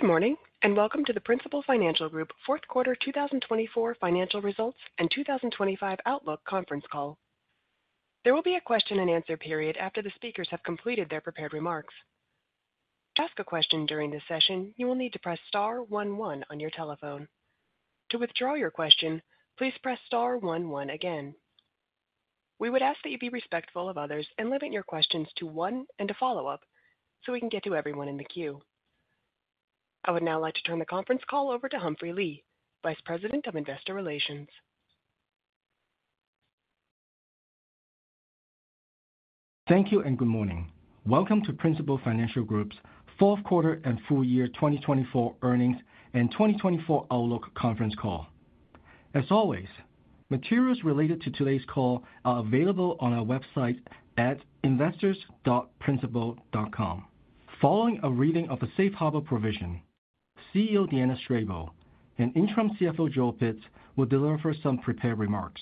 Good morning and welcome to the Principal Financial Group Fourth Quarter 2024 Financial Results and 2025 Outlook Conference Call. There will be a question and answer period after the speakers have completed their prepared remarks. To ask a question during this session, you will need to press star one one on your telephone. To withdraw your question, please press star one one again. We would ask that you be respectful of others and limit your questions to one and to follow up so we can get to everyone in the queue. I would now like to turn the conference call over to Humphrey Lee, Vice President of Investor Relations. Thank you and good morning. Welcome to Principal Financial Group's Fourth Quarter and Full Year 2024 Earnings and 2024 Outlook Conference Call. As always, materials related to today's call are available on our website at investors.principal.com. Following a reading of the safe harbor provision, CEO Deanna Strable and Interim CFO Joel Pitz will deliver some prepared remarks.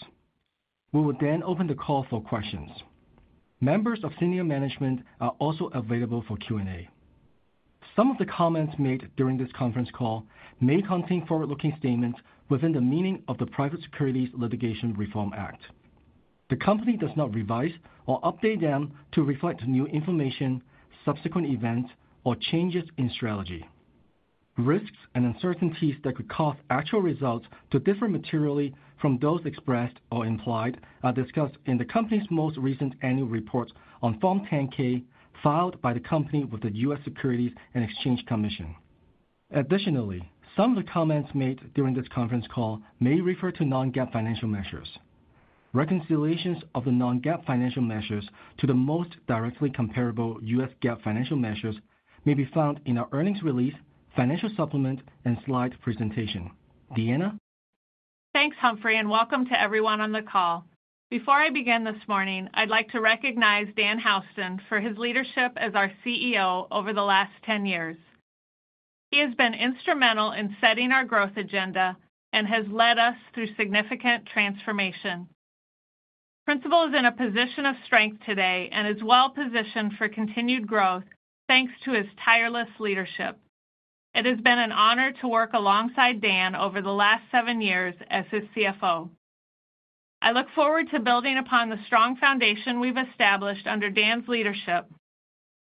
We will then open the call for questions. Members of senior management are also available for Q&A. Some of the comments made during this conference call may contain forward-looking statements within the meaning of the Private Securities Litigation Reform Act. The company does not revise or update them to reflect new information, subsequent events, or changes in strategy. Risks and uncertainties that could cause actual results to differ materially from those expressed or implied are discussed in the company's most recent annual report on Form 10-K filed by the company with the U.S. Securities and Exchange Commission. Additionally, some of the comments made during this conference call may refer to non-GAAP financial measures. Reconciliations of the non-GAAP financial measures to the most directly comparable U.S. GAAP financial measures may be found in our earnings release, financial supplement, and slide presentation. Deanna. Thanks, Humphrey, and welcome to everyone on the call. Before I begin this morning, I'd like to recognize Dan Houston for his leadership as our CEO over the last 10 years. He has been instrumental in setting our growth agenda and has led us through significant transformation. Principal is in a position of strength today and is well positioned for continued growth thanks to his tireless leadership. It has been an honor to work alongside Dan over the last seven years as his CFO. I look forward to building upon the strong foundation we've established under Dan's leadership.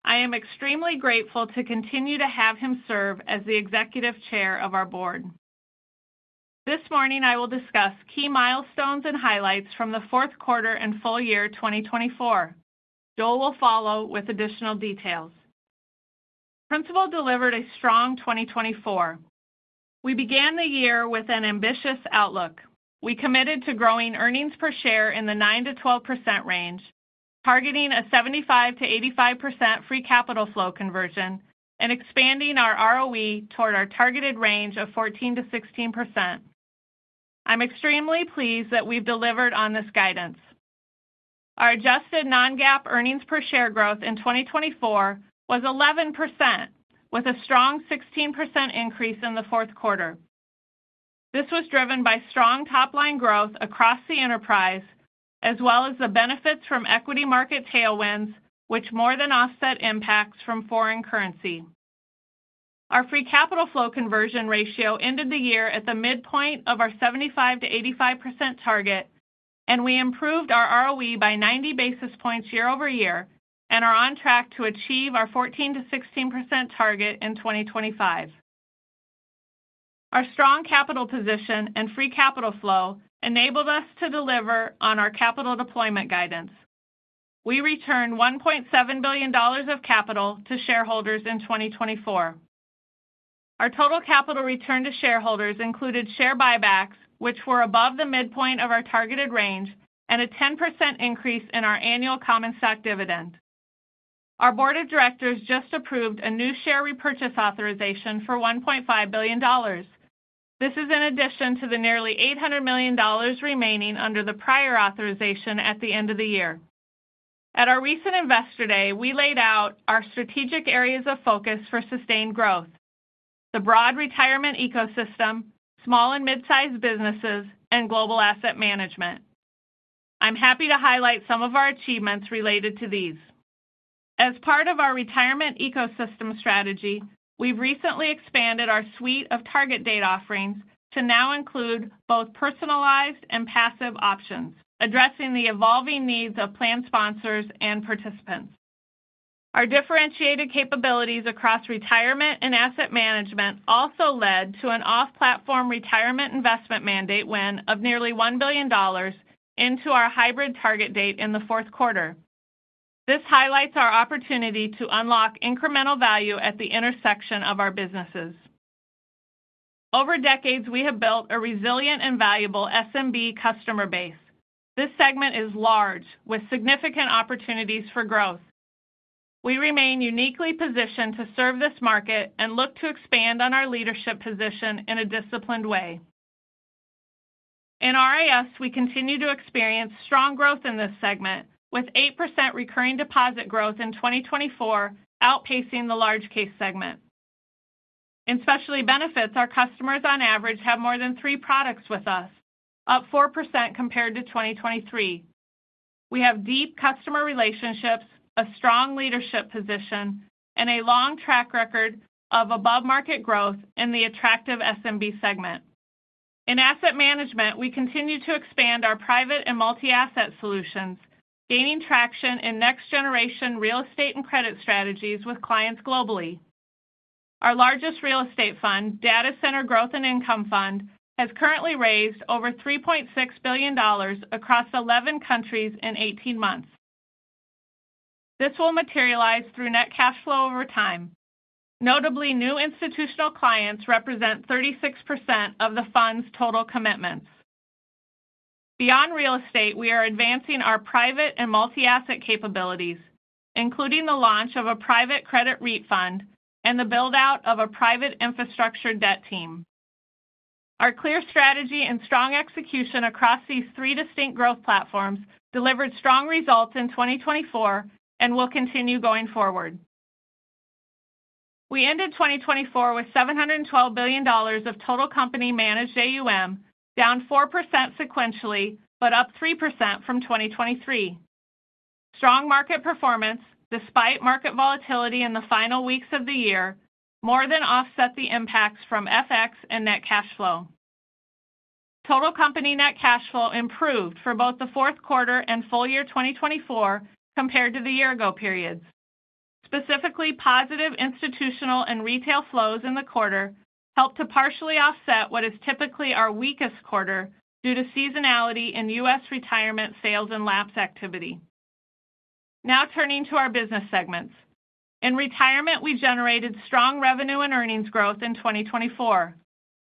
I am extremely grateful to continue to have him serve as the Executive Chair of our Board. This morning, I will discuss key milestones and highlights from the Fourth Quarter and Full Year 2024. Joel will follow with additional details. Principal delivered a strong 2024. We began the year with an ambitious outlook. We committed to growing earnings per share in the 9%-12% range, targeting a 75%-85% free capital flow conversion, and expanding our ROE toward our targeted range of 14-16%. I'm extremely pleased that we've delivered on this guidance. Our adjusted non-GAAP earnings per share growth in 2024 was 11%, with a strong 16% increase in the fourth quarter. This was driven by strong top-line growth across the enterprise, as well as the benefits from equity market tailwinds, which more than offset impacts from foreign currency. Our free capital flow conversion ratio ended the year at the midpoint of our 75%-85% target, and we improved our ROE by 90 basis points year-over-year and are on track to achieve our 14%-16% target in 2025. Our strong capital position and free capital flow enabled us to deliver on our capital deployment guidance. We returned $1.7 billion of capital to shareholders in 2024. Our total capital return to shareholders included share buybacks, which were above the midpoint of our targeted range, and a 10% increase in our annual common stock dividend. Our Board of Directors just approved a new share repurchase authorization for $1.5 billion. This is in addition to the nearly $800 million remaining under the prior authorization at the end of the year. At our recent Investor Day, we laid out our strategic areas of focus for sustained growth: the broad Retirement ecosystem, small and mid-sized businesses, and global Asset Management. I'm happy to highlight some of our achievements related to these. As part of our Retirement ecosystem strategy, we've recently expanded our suite of target date offerings to now include both personalized and passive options, addressing the evolving needs of plan sponsors and participants. Our differentiated capabilities across Retirement and Asset Management also led to an off-platform Retirement investment mandate win of nearly $1 billion into our hybrid target date in the fourth quarter. This highlights our opportunity to unlock incremental value at the intersection of our businesses. Over decades, we have built a resilient and valuable SMB customer base. This segment is large, with significant opportunities for growth. We remain uniquely positioned to serve this market and look to expand on our leadership position in a disciplined way. In RIS, we continue to experience strong growth in this segment, with 8% recurring deposit growth in 2024 outpacing the large case segment. In Specialty Benefits, our customers on average have more than three products with us, up 4% compared to 2023. We have deep customer relationships, a strong leadership position, and a long track record of above-market growth in the attractive SMB segment. In Asset Management, we continue to expand our private and multi-asset solutions, gaining traction in next-generation real estate and credit strategies with clients globally. Our largest real estate fund, Data Centre Growth & Income Fund, has currently raised over $3.6 billion across 11 countries in 18 months. This will materialize through net cash flow over time. Notably, new institutional clients represent 36% of the fund's total commitments. Beyond real estate, we are advancing our private and multi-asset capabilities, including the launch of a private credit fund and the build-out of a private infrastructure debt team. Our clear strategy and strong execution across these three distinct growth platforms delivered strong results in 2024 and will continue going forward. We ended 2024 with $712 billion of total company-managed AUM, down 4% sequentially but up 3% from 2023. Strong market performance, despite market volatility in the final weeks of the year, more than offset the impacts from FX and net cash flow. Total company net cash flow improved for both the fourth quarter and full year 2024 compared to the year-ago periods. Specifically, positive institutional and retail flows in the quarter helped to partially offset what is typically our weakest quarter due to seasonality in U.S. Retirement sales and lapse activity. Now turning to our business segments. In Retirement, we generated strong revenue and earnings growth in 2024.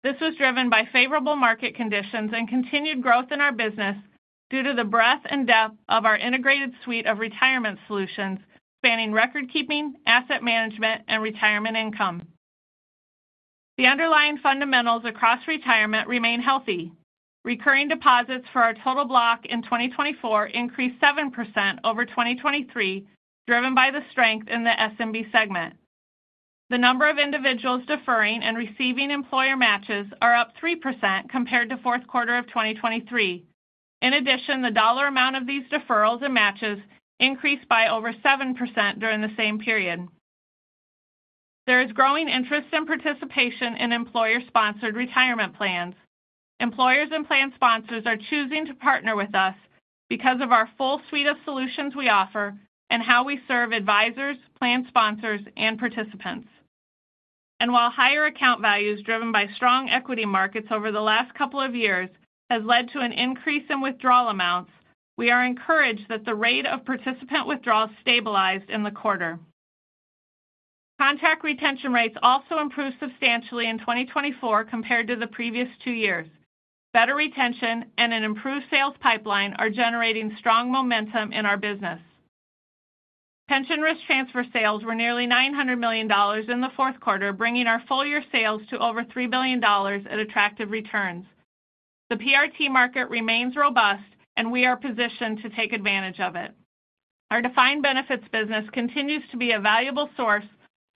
This was driven by favorable market conditions and continued growth in our business due to the breadth and depth of our integrated suite of Retirement Solutions spanning record keeping, Asset Management, and Retirement income. The underlying fundamentals across Retirement remain healthy. Recurring deposits for our total block in 2024 increased 7% over 2023, driven by the strength in the SMB segment. The number of individuals deferring and receiving employer matches are up 3% compared to fourth quarter of 2023. In addition, the dollar amount of these deferrals and matches increased by over 7% during the same period. There is growing interest and participation in employer-sponsored Retirement plans. Employers and plan sponsors are choosing to partner with us because of our full suite of solutions we offer and how we serve advisors, plan sponsors, and participants. While higher account values driven by strong equity markets over the last couple of years have led to an increase in withdrawal amounts, we are encouraged that the rate of participant withdrawals stabilized in the quarter. Contract retention rates also improved substantially in 2024 compared to the previous two years. Better retention and an improved sales pipeline are generating strong momentum in our business. Pension risk transfer sales were nearly $900 million in the fourth quarter, bringing our full year sales to over $3 billion at attractive returns. The PRT market remains robust, and we are positioned to take advantage of it. Our defined benefit business continues to be a valuable source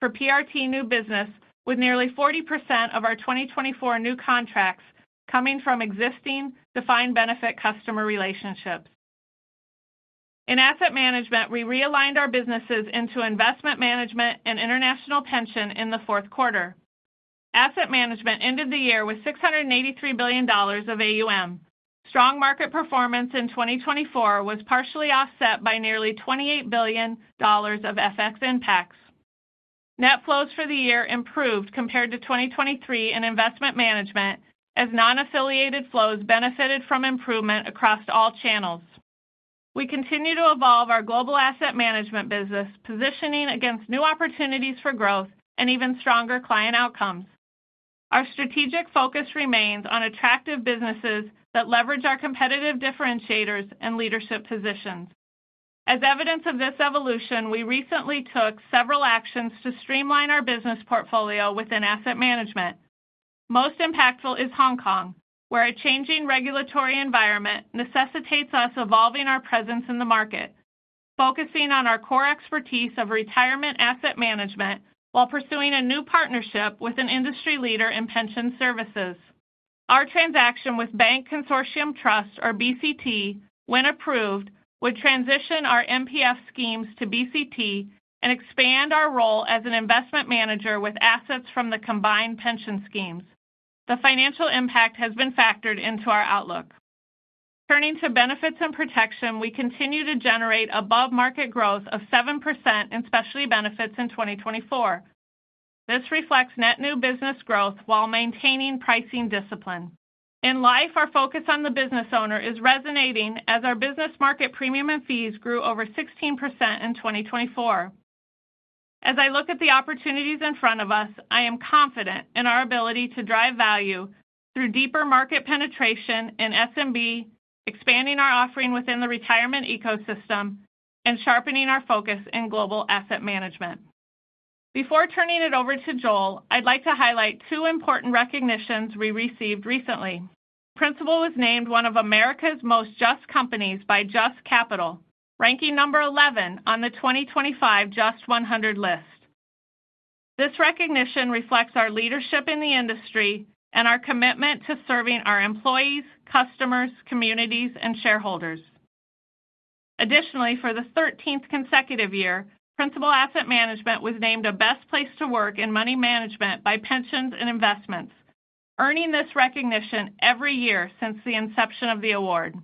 for PRT new business, with nearly 40% of our 2024 new contracts coming from existing defined benefit customer relationships. In Asset Management, we realigned our businesses into Investment Management and International Pension in the fourth quarter. Asset Management ended the year with $683 billion of AUM. Strong market performance in 2024 was partially offset by nearly $28 billion of FX impacts. Net flows for the year improved compared to 2023 in Investment Management, as non-affiliated flows benefited from improvement across all channels. We continue to evolve our global Asset Management business, positioning against new opportunities for growth and even stronger client outcomes. Our strategic focus remains on attractive businesses that leverage our competitive differentiators and leadership positions. As evidence of this evolution, we recently took several actions to streamline our business portfolio within Asset Management. Most impactful is Hong Kong, where a changing regulatory environment necessitates us evolving our presence in the market, focusing on our core expertise of Retirement Asset Management while pursuing a new partnership with an industry leader in pension services. Our transaction with Bank Consortium Trust, or BCT, when approved, would transition our MPF schemes to BCT and expand our role as an investment manager with assets from the combined pension schemes. The financial impact has been factored into our outlook. Turning to Benefits and Protection, we continue to generate above-market growth of 7% in Specialty Benefits in 2024. This reflects net new business growth while maintaining pricing discipline. In Life, our focus on the business owner is resonating, as our business market premium and fees grew over 16% in 2024. As I look at the opportunities in front of us, I am confident in our ability to drive value through deeper market penetration in SMB, expanding our offering within the Retirement ecosystem, and sharpening our focus in global Asset Management. Before turning it over to Joel, I'd like to highlight two important recognitions we received recently. Principal was named one of America's most JUST companies by JUST Capital, ranking number 11 on the 2025 JUST 100 list. This recognition reflects our leadership in the industry and our commitment to serving our employees, customers, communities, and shareholders. Additionally, for the 13th consecutive year, Principal Asset Management was named a Best Place to Work in Money Management by Pensions & Investments, earning this recognition every year since the inception of the award.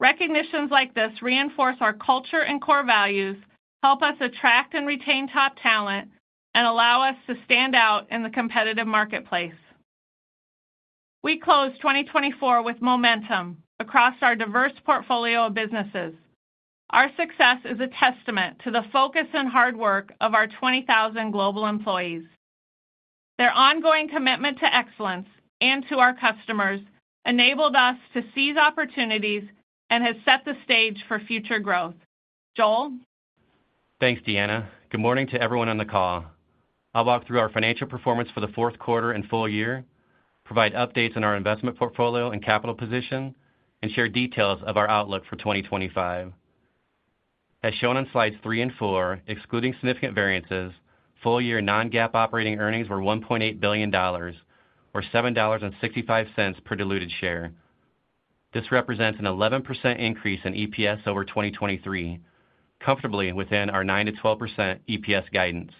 Recognitions like this reinforce our culture and core values, help us attract and retain top talent, and allow us to stand out in the competitive marketplace. We closed 2024 with momentum across our diverse portfolio of businesses. Our success is a testament to the focus and hard work of our 20,000 global employees. Their ongoing commitment to excellence and to our customers enabled us to seize opportunities and has set the stage for future growth. Joel? Thanks, Deanna. Good morning to everyone on the call. I'll walk through our financial performance for the fourth quarter and full year, provide updates on our investment portfolio and capital position, and share details of our outlook for 2025. As shown on slides three and four, excluding significant variances, full year non-GAAP operating earnings were $1.8 billion, or $7.65 per diluted share. This represents an 11% increase in EPS over 2023, comfortably within our 9%-12% EPS guidance.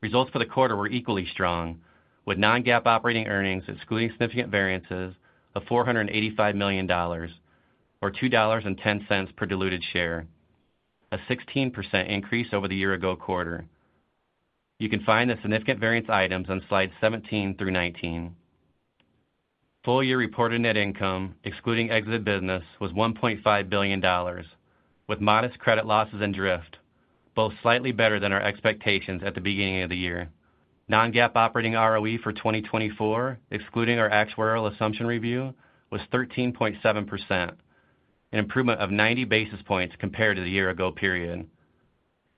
Results for the quarter were equally strong, with non-GAAP operating earnings, excluding significant variances, of $485 million, or $2.10 per diluted share, a 16% increase over the year-ago quarter. You can find the significant variance items on slides 17 through 19. Full year reported net income, excluding exit business, was $1.5 billion, with modest credit losses and drift, both slightly better than our expectations at the beginning of the year. Non-GAAP operating ROE for 2024, excluding our actuarial assumption review, was 13.7%, an improvement of 90 basis points compared to the year-ago period.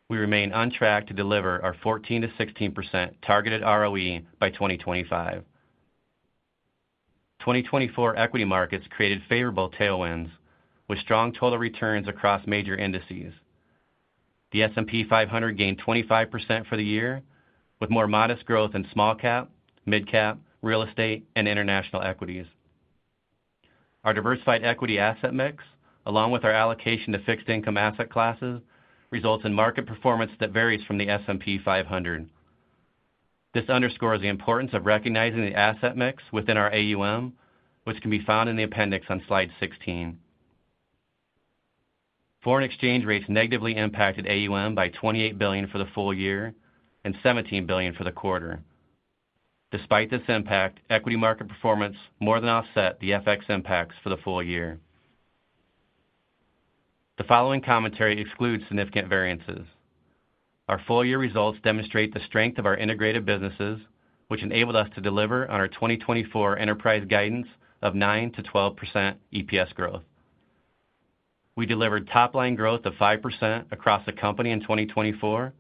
We remain on track to deliver our 14%-16% targeted ROE by 2025. 2024 equity markets created favorable tailwinds, with strong total returns across major indices. The S&P 500 gained 25% for the year, with more modest growth in small cap, mid-cap, real estate, and international equities. Our diversified equity asset mix, along with our allocation to fixed income asset classes, results in market performance that varies from the S&P 500. This underscores the importance of recognizing the asset mix within our AUM, which can be found in the appendix on slide 16. Foreign exchange rates negatively impacted AUM by $28 billion for the full year and $17 billion for the quarter. Despite this impact, equity market performance more than offset the FX impacts for the full year. The following commentary excludes significant variances. Our full year results demonstrate the strength of our integrated businesses, which enabled us to deliver on our 2024 enterprise guidance of 9%-12% EPS growth. We delivered top-line growth of 5% across the company in 2024.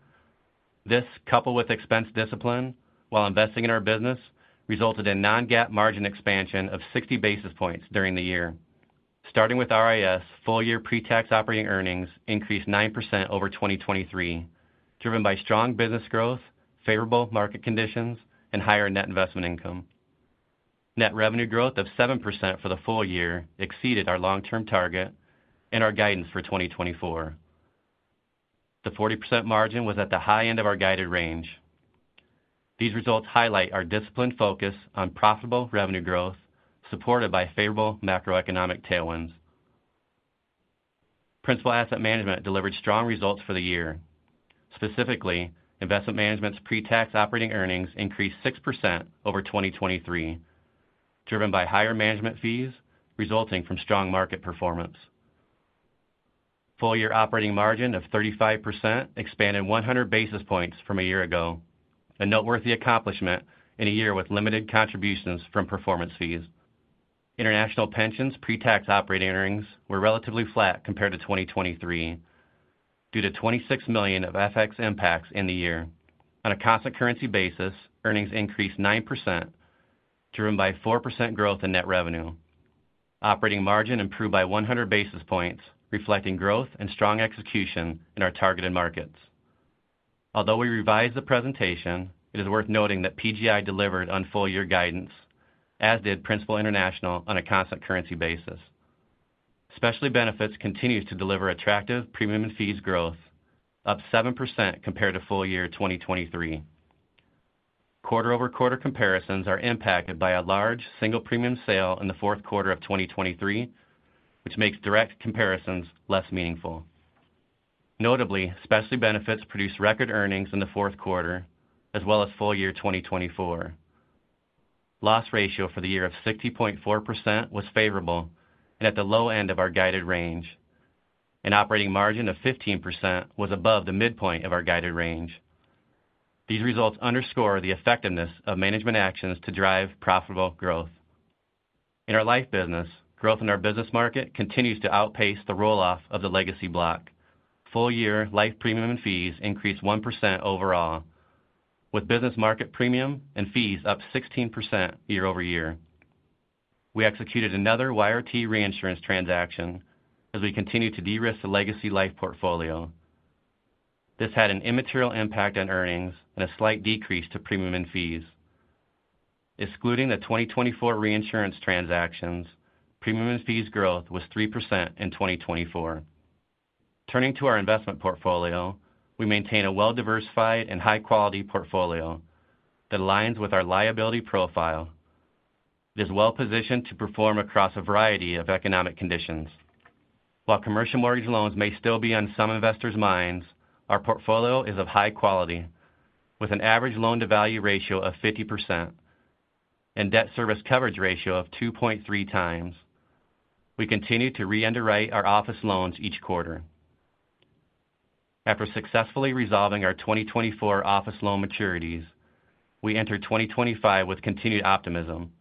This, coupled with expense discipline while investing in our business, resulted in non-GAAP margin expansion of 60 basis points during the year. Starting with RIS, full year pre-tax operating earnings increased 9% over 2023, driven by strong business growth, favorable market conditions, and higher net investment income. Net revenue growth of 7% for the full year exceeded our long-term target and our guidance for 2024. The 40% margin was at the high end of our guided range. These results highlight our disciplined focus on profitable revenue growth, supported by favorable macroeconomic tailwinds. Principal Asset Management delivered strong results for the year. Specifically, Investment Management's pre-tax operating earnings increased 6% over 2023, driven by higher management fees resulting from strong market performance. Full year operating margin of 35% expanded 100 basis points from a year ago, a noteworthy accomplishment in a year with limited contributions from performance fees. International Pension's pre-tax operating earnings were relatively flat compared to 2023 due to $26 million of FX impacts in the year. On a constant currency basis, earnings increased 9%, driven by 4% growth in net revenue. Operating margin improved by 100 basis points, reflecting growth and strong execution in our targeted markets. Although we revised the presentation, it is worth noting that PGI delivered on full year guidance, as did Principal International on a constant currency basis. Specialty Benefits continues to deliver attractive premium and fees growth, up 7% compared to full year 2023. Quarter-over-quarter comparisons are impacted by a large single premium sale in the fourth quarter of 2023, which makes direct comparisons less meaningful. Notably, Specialty Benefits produced record earnings in the fourth quarter, as well as full year 2024. Loss ratio for the year of 60.4% was favorable and at the low end of our guided range. An operating margin of 15% was above the midpoint of our guided range. These results underscore the effectiveness of management actions to drive profitable growth. In our Life business, growth in our business market continues to outpace the roll-off of the legacy block. Full year Life premium and fees increased 1% overall, with business market premium and fees up 16% year-over-year. We executed another YRT reinsurance transaction as we continued to de-risk the legacy Life portfolio. This had an immaterial impact on earnings and a slight decrease to premium and fees. Excluding the 2024 reinsurance transactions, premium and fees growth was 3% in 2024. Turning to our investment portfolio, we maintain a well-diversified and high-quality portfolio that aligns with our liability profile. It is well-positioned to perform across a variety of economic conditions. While commercial mortgage loans may still be on some investors' minds, our portfolio is of high quality, with an average loan-to-value ratio of 50% and debt service coverage ratio of 2.3x. We continue to re-underwrite our office loans each quarter. After successfully resolving our 2024 office loan maturities, we enter 2025 with continued optimism.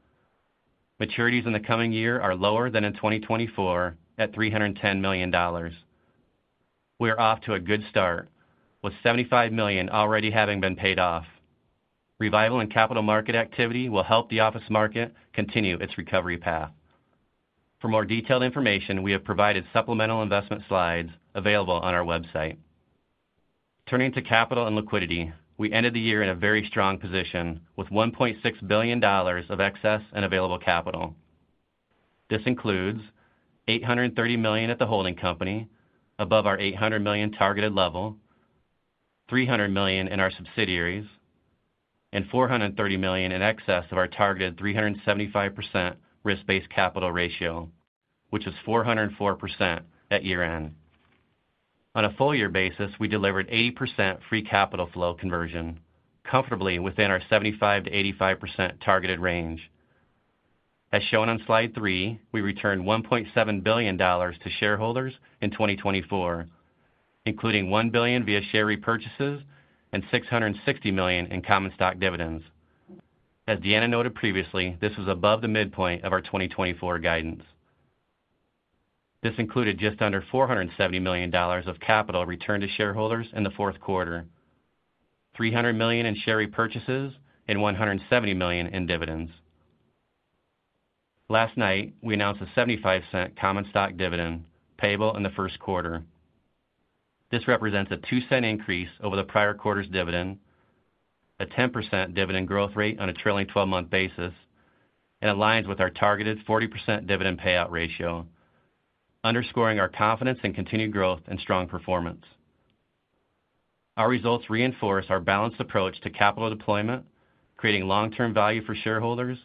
Maturities in the coming year are lower than in 2024 at $310 million. We are off to a good start, with $75 million already having been paid off. Revival in capital market activity will help the office market continue its recovery path. For more detailed information, we have provided supplemental investment slides available on our website. Turning to capital and liquidity, we ended the year in a very strong position with $1.6 billion of excess and available capital. This includes $830 million at the holding company, above our $800 million targeted level, $300 million in our subsidiaries, and $430 million in excess of our targeted 375% risk-based capital ratio, which is 404% at year-end. On a full year basis, we delivered 80% free capital flow conversion, comfortably within our 75%-85% targeted range. As shown on slide three, we returned $1.7 billion to shareholders in 2024, including $1 billion via share repurchases and $660 million in common stock dividends. As Deanna noted previously, this was above the midpoint of our 2024 guidance. This included just under $470 million of capital returned to shareholders in the fourth quarter, $300 million in share repurchases, and $170 million in dividends. Last night, we announced a $0.75 common stock dividend payable in the first quarter. This represents a $0.02 increase over the prior quarter's dividend, a 10% dividend growth rate on a trailing 12-month basis, and aligns with our targeted 40% dividend payout ratio, underscoring our confidence in continued growth and strong performance. Our results reinforce our balanced approach to capital deployment, creating long-term value for shareholders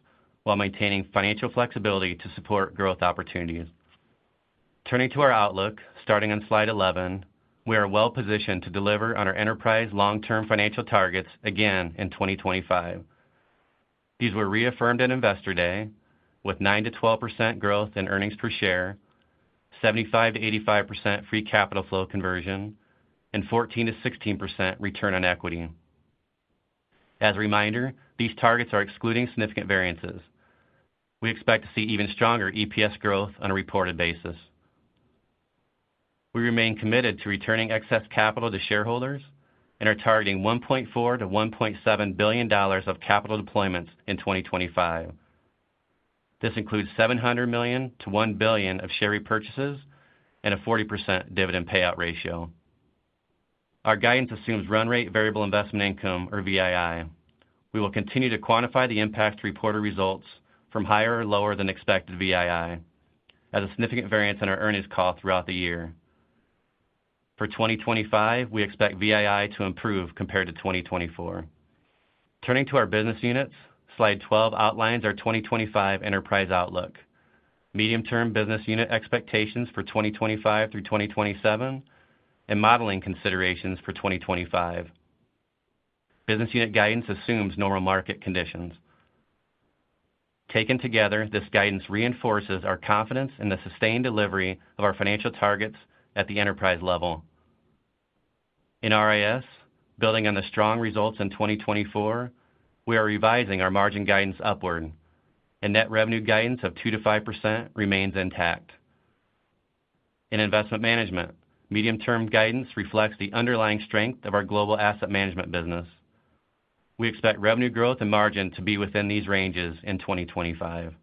while maintaining financial flexibility to support growth opportunities. Turning to our outlook, starting on slide 11, we are well-positioned to deliver on our enterprise long-term financial targets again in 2025. These were reaffirmed at Investor Day, with 9%-12% growth in earnings per share, 75%-85% free capital flow conversion, and 14%-16% return on equity. As a reminder, these targets are excluding significant variances. We expect to see even stronger EPS growth on a reported basis. We remain committed to returning excess capital to shareholders and are targeting $1.4-$1.7 billion of capital deployments in 2025. This includes $700 million-$1 billion of share repurchases and a 40% dividend payout ratio. Our guidance assumes run rate variable investment income, or VII. We will continue to quantify the impact to reported results from higher or lower than expected VII, as a significant variance on our earnings call throughout the year. For 2025, we expect VII to improve compared to 2024. Turning to our business units, slide 12 outlines our 2025 enterprise outlook, medium-term business unit expectations for 2025 through 2027, and modeling considerations for 2025. Business unit guidance assumes normal market conditions. Taken together, this guidance reinforces our confidence in the sustained delivery of our financial targets at the enterprise level. In RIS, building on the strong results in 2024, we are revising our margin guidance upward. A net revenue guidance of 2%-5% remains intact. In Investment Management, medium-term guidance reflects the underlying strength of our global Asset Management business. We expect revenue growth and margin to be within these ranges in 2025.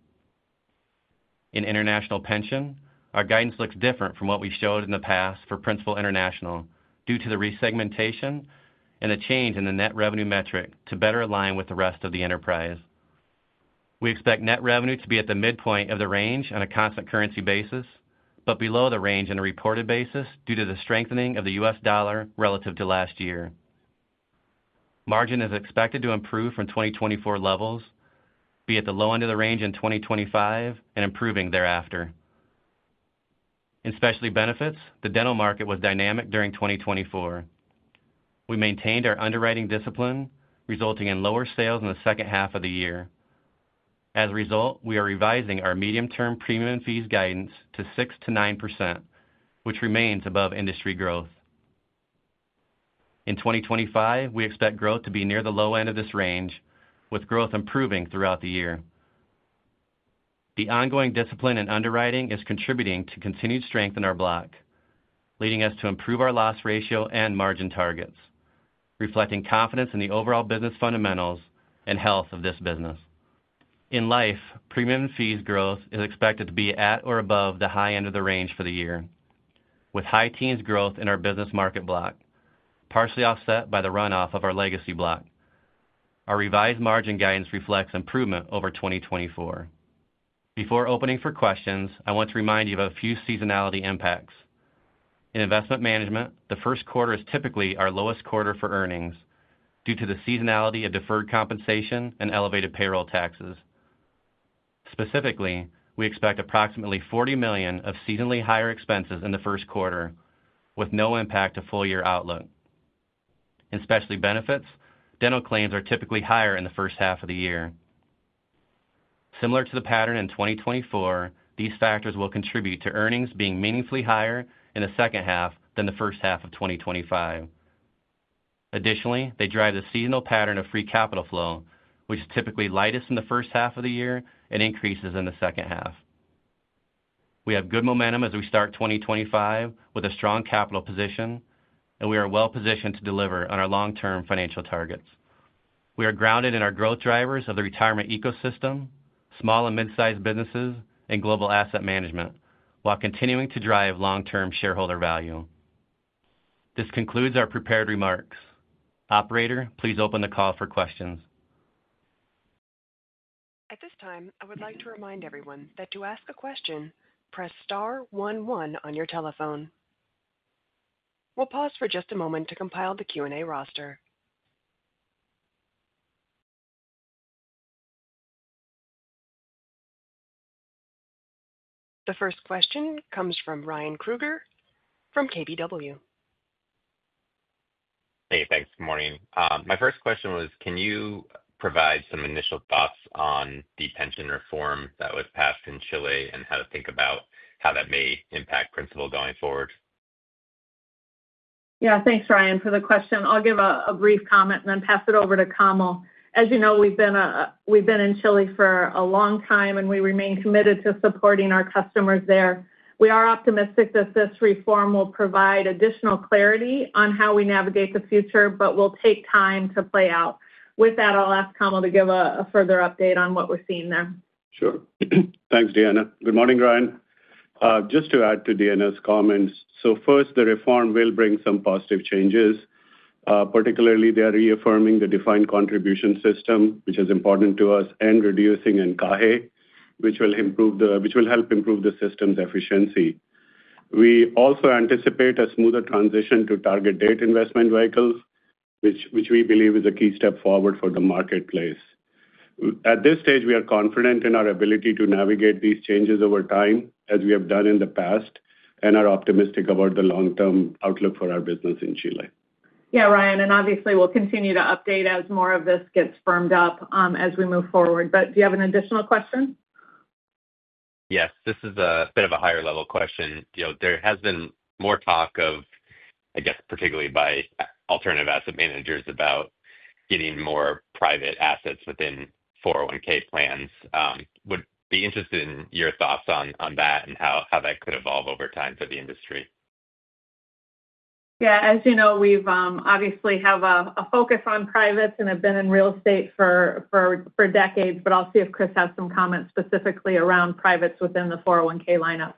In International Pension, our guidance looks different from what we showed in the past for Principal International due to the resegmentation and the change in the net revenue metric to better align with the rest of the enterprise. We expect net revenue to be at the midpoint of the range on a constant currency basis, but below the range on a reported basis due to the strengthening of the U.S. dollar relative to last year. Margin is expected to improve from 2024 levels, be at the low end of the range in 2025 and improving thereafter. In Specialty Benefits, the Dental market was dynamic during 2024. We maintained our underwriting discipline, resulting in lower sales in the second half of the year. As a result, we are revising our medium-term premium and fees guidance to 6%-9%, which remains above industry growth. In 2025, we expect growth to be near the low end of this range, with growth improving throughout the year. The ongoing discipline and underwriting is contributing to continued strength in our block, leading us to improve our loss ratio and margin targets, reflecting confidence in the overall business fundamentals and health of this business. In Life, premium and fees growth is expected to be at or above the high end of the range for the year, with high teens growth in our business market block, partially offset by the run-off of our legacy block. Our revised margin guidance reflects improvement over 2024. Before opening for questions, I want to remind you of a few seasonality impacts. In Investment Management, the first quarter is typically our lowest quarter for earnings due to the seasonality of deferred compensation and elevated payroll taxes. Specifically, we expect approximately $40 million of seasonally higher expenses in the first quarter, with no impact to full year outlook. In Specialty Benefits, Dental claims are typically higher in the first half of the year. Similar to the pattern in 2024, these factors will contribute to earnings being meaningfully higher in the second half than the first half of 2025. Additionally, they drive the seasonal pattern of free capital flow, which is typically lightest in the first half of the year and increases in the second half. We have good momentum as we start 2025 with a strong capital position, and we are well-positioned to deliver on our long-term financial targets. We are grounded in our growth drivers of the Retirement ecosystem, small and mid-sized businesses, and global Asset Management, while continuing to drive long-term shareholder value. This concludes our prepared remarks. Operator, please open the call for questions. At this time, I would like to remind everyone that to ask a question, press star one one on your telephone. We'll pause for just a moment to compile the Q&A roster. The first question comes from Ryan Krueger from KBW. Hey, thanks. Good morning. My first question was, can you provide some initial thoughts on the pension reform that was passed in Chile and how to think about how that may impact Principal going forward? Yeah, thanks, Ryan, for the question. I'll give a brief comment and then pass it over to Kamal. As you know, we've been in Chile for a long time, and we remain committed to supporting our customers there. We are optimistic that this reform will provide additional clarity on how we navigate the future, but will take time to play out. With that, I'll ask Kamal to give a further update on what we're seeing there. Sure. Thanks, Deanna. Good morning, Ryan. Just to add to Deanna's comments, so first, the reform will bring some positive changes. Particularly, they are reaffirming the defined contribution system, which is important to us, and reducing encaje, which will help improve the system's efficiency. We also anticipate a smoother transition to target date investment vehicles, which we believe is a key step forward for the marketplace. At this stage, we are confident in our ability to navigate these changes over time, as we have done in the past, and are optimistic about the long-term outlook for our business in Chile. Yeah, Ryan, and obviously, we'll continue to update as more of this gets firmed up as we move forward. But do you have an additional question? Yes, this is a bit of a higher-level question. There has been more talk of, I guess, particularly by alternative asset managers about getting more private assets within 401(k) plans. Would be interested in your thoughts on that and how that could evolve over time for the industry. Yeah, as you know, we obviously have a focus on privates and have been in real estate for decades, but I'll see if Chris has some comments specifically around privates within the 401(k) lineup.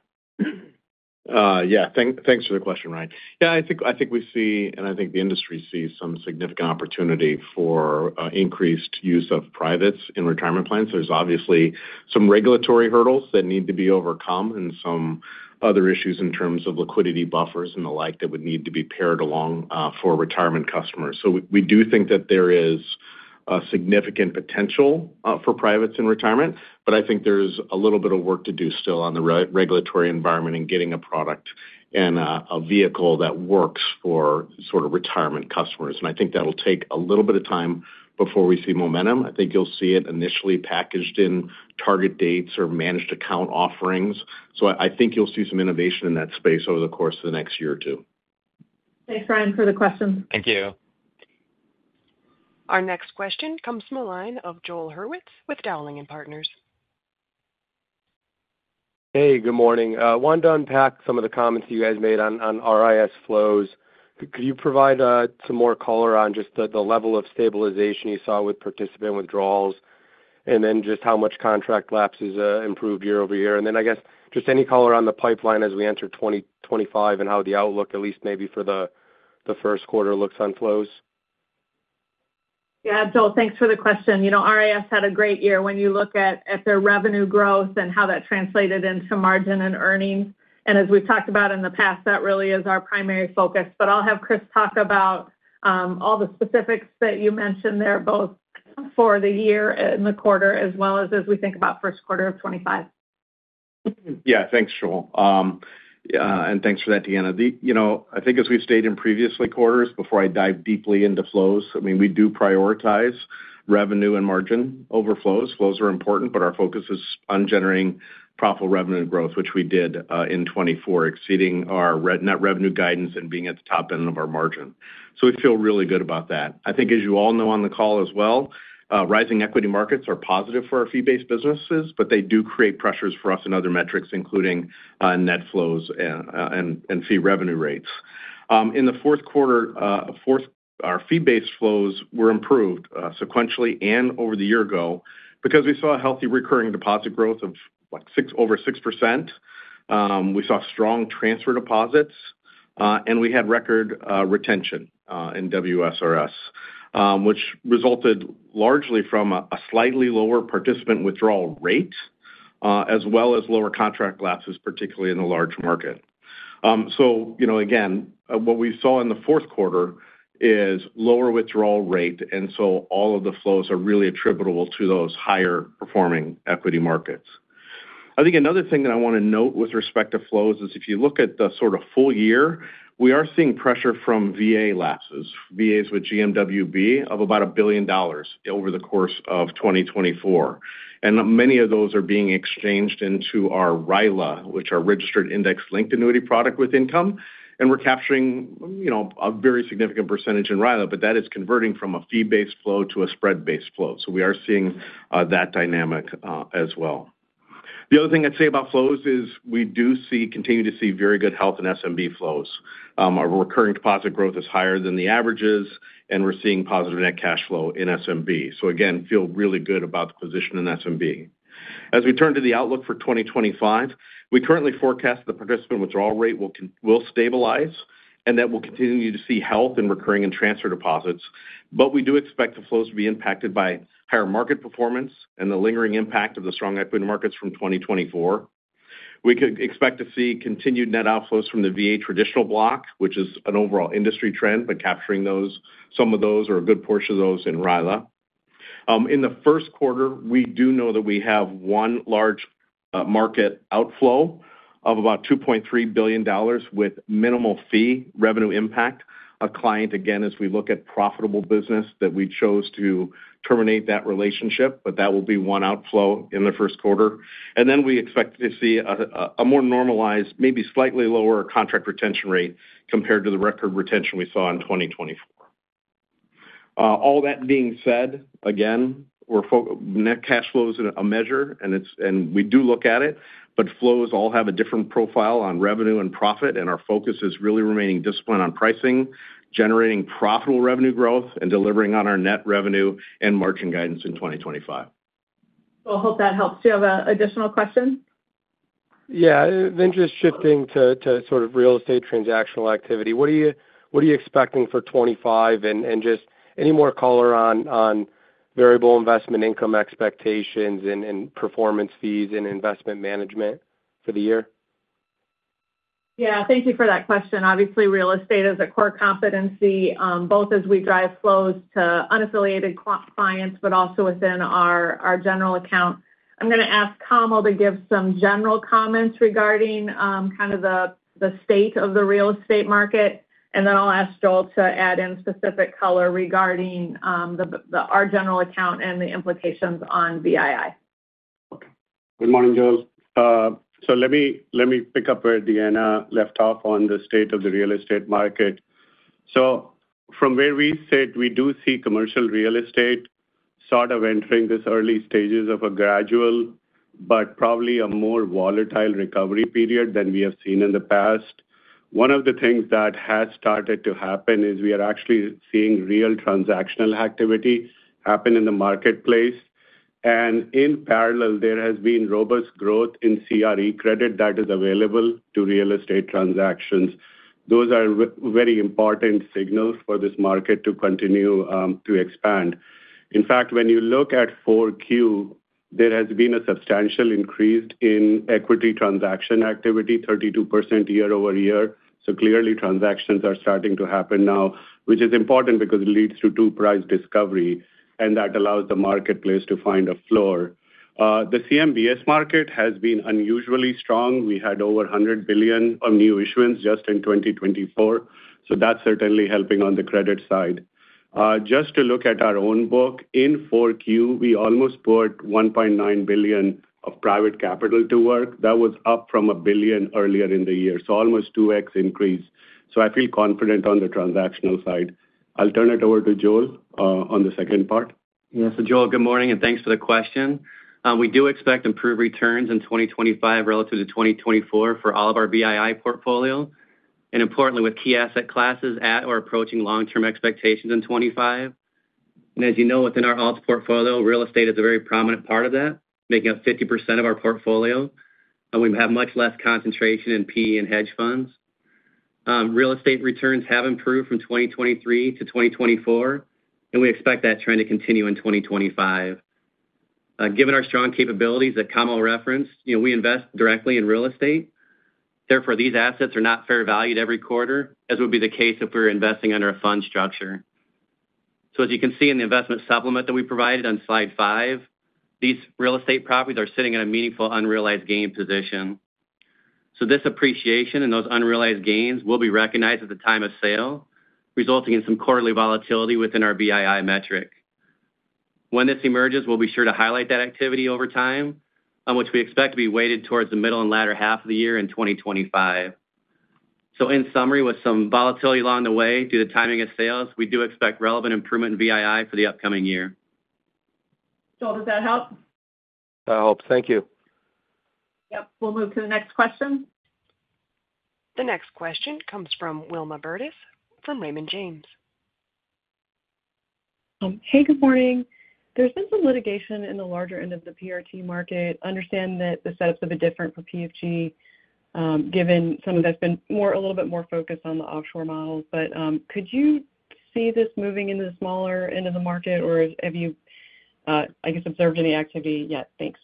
Yeah, thanks for the question, Ryan. Yeah, I think we see, and I think the industry sees some significant opportunity for increased use of privates in Retirement plans. There's obviously some regulatory hurdles that need to be overcome and some other issues in terms of liquidity buffers and the like that would need to be paired along for Retirement customers. So we do think that there is a significant potential for privates in Retirement, but I think there's a little bit of work to do still on the regulatory environment and getting a product and a vehicle that works for sort of Retirement customers. And I think that'll take a little bit of time before we see momentum. I think you'll see it initially packaged in target dates or managed account offerings. So I think you'll see some innovation in that space over the course of the next year or two. Thanks, Ryan, for the questions. Thank you. Our next question comes from a line of Joel Hurwitz with Dowling & Partners. Hey, good morning. Wanted to unpack some of the comments you guys made on RIS flows. Could you provide some more color on just the level of stabilization you saw with participant withdrawals and then just how much contract lapses improved year-over-year? And then I guess just any color on the pipeline as we enter 2025 and how the outlook, at least maybe for the first quarter, looks on flows? Yeah, Joel, thanks for the question. RIS had a great year when you look at their revenue growth and how that translated into margin and earnings. And as we've talked about in the past, that really is our primary focus. But I'll have Chris talk about all the specifics that you mentioned there, both for the year and the quarter, as well as we think about first quarter of 2025. Yeah, thanks, Joel. And thanks for that, Deanna. I think as we've stated in previous quarters, before I dive deeply into flows, I mean, we do prioritize revenue and margin over flows. Flows are important, but our focus is on generating profitable revenue growth, which we did in 2024, exceeding our net revenue guidance and being at the top end of our margin, so we feel really good about that. I think, as you all know on the call as well, rising equity markets are positive for our fee-based businesses, but they do create pressures for us and other metrics, including net flows and fee revenue rates. In the fourth quarter, our fee-based flows were improved sequentially and over the year ago because we saw a healthy recurring deposit growth of over 6%. We saw strong transfer deposits, and we had record retention in WSRS, which resulted largely from a slightly lower participant withdrawal rate, as well as lower contract lapses, particularly in the large market. So again, what we saw in the fourth quarter is lower withdrawal rate, and so all of the flows are really attributable to those higher-performing equity markets. I think another thing that I want to note with respect to flows is if you look at the sort of full year, we are seeing pressure from VA lapses, VAs with GMWB of about $1 billion over the course of 2024. And many of those are being exchanged into our RILA, which are Registered Index-Linked Annuity Product with Income. And we're capturing a very significant percentage in RILA, but that is converting from a fee-based flow to a spread-based flow. So we are seeing that dynamic as well. The other thing I'd say about flows is we do continue to see very good health in SMB flows. Our recurring deposit growth is higher than the averages, and we're seeing positive net cash flow in SMB. So again, feel really good about the position in SMB. As we turn to the outlook for 2025, we currently forecast the participant withdrawal rate will stabilize and that we'll continue to see health in recurring and transfer deposits. But we do expect the flows to be impacted by higher market performance and the lingering impact of the strong equity markets from 2024. We could expect to see continued net outflows from the VA traditional block, which is an overall industry trend, but capturing some of those or a good portion of those in RILA. In the first quarter, we do know that we have one large market outflow of about $2.3 billion with minimal fee revenue impact. A client, again, as we look at profitable business that we chose to terminate that relationship, but that will be one outflow in the first quarter. And then we expect to see a more normalized, maybe slightly lower contract retention rate compared to the record retention we saw in 2024. All that being said, again, net cash flow is a measure, and we do look at it, but flows all have a different profile on revenue and profit, and our focus is really remaining disciplined on pricing, generating profitable revenue growth, and delivering on our net revenue and margin guidance in 2025. Well, I hope that helps. Do you have an additional question? Yeah, interest shifting to sort of real estate transactional activity. What are you expecting for 2025 and just any more color on variable investment income expectations and performance fees and Investment Management for the year? Yeah, thank you for that question. Obviously, real estate is a core competency, both as we drive flows to unaffiliated clients, but also within our general account. I'm going to ask Kamal to give some general comments regarding kind of the state of the real estate market, and then I'll ask Joel to add in specific color regarding our general account and the implications on VII. Good morning, Joel. So let me pick up where Deanna left off on the state of the real estate market. So from where we sit, we do see commercial real estate sort of entering this early stages of a gradual, but probably a more volatile recovery period than we have seen in the past. One of the things that has started to happen is we are actually seeing real transactional activity happen in the marketplace. In parallel, there has been robust growth in CRE credit that is available to real estate transactions. Those are very important signals for this market to continue to expand. In fact, when you look at 4Q, there has been a substantial increase in equity transaction activity, 32% year over year. Clearly, transactions are starting to happen now, which is important because it leads to true price discovery, and that allows the marketplace to find a floor. The CMBS market has been unusually strong. We had over $100 billion of new issuance just in 2024. That's certainly helping on the credit side. Just to look at our own book, in 4Q, we almost put $1.9 billion of private capital to work. That was up from $1 billion earlier in the year, so almost 2x increase. So I feel confident on the transactional side. I'll turn it over to Joel on the second part. Yeah, so Joel, good morning, and thanks for the question. We do expect improved returns in 2025 relative to 2024 for all of our VII portfolio. And importantly, with key asset classes at or approaching long-term expectations in 2025. And as you know, within our alts portfolio, real estate is a very prominent part of that, making up 50% of our portfolio. And we have much less concentration in PE and hedge funds. Real estate returns have improved from 2023 to 2024, and we expect that trend to continue in 2025. Given our strong capabilities that Kamal referenced, we invest directly in real estate. Therefore, these assets are not fair valued every quarter, as would be the case if we were investing under a fund structure. So as you can see in the investment supplement that we provided on slide five, these real estate properties are sitting in a meaningful unrealized gain position. So this appreciation and those unrealized gains will be recognized at the time of sale, resulting in some quarterly volatility within our VII metric. When this emerges, we'll be sure to highlight that activity over time, which we expect to be weighted towards the middle and latter half of the year in 2025. So in summary, with some volatility along the way due to timing of sales, we do expect relevant improvement in VII for the upcoming year. Joel, does that help? That helps. Thank you. Yep. We'll move to the next question. The next question comes from Wilma Burdis from Raymond James. Hey, good morning. There's been some litigation in the larger end of the PRT market. Understand that the setups have been different for PFG, given some of that's been a little bit more focused on the offshore models. But could you see this moving into the smaller end of the market, or have you, I guess, observed any activity yet? Thanks.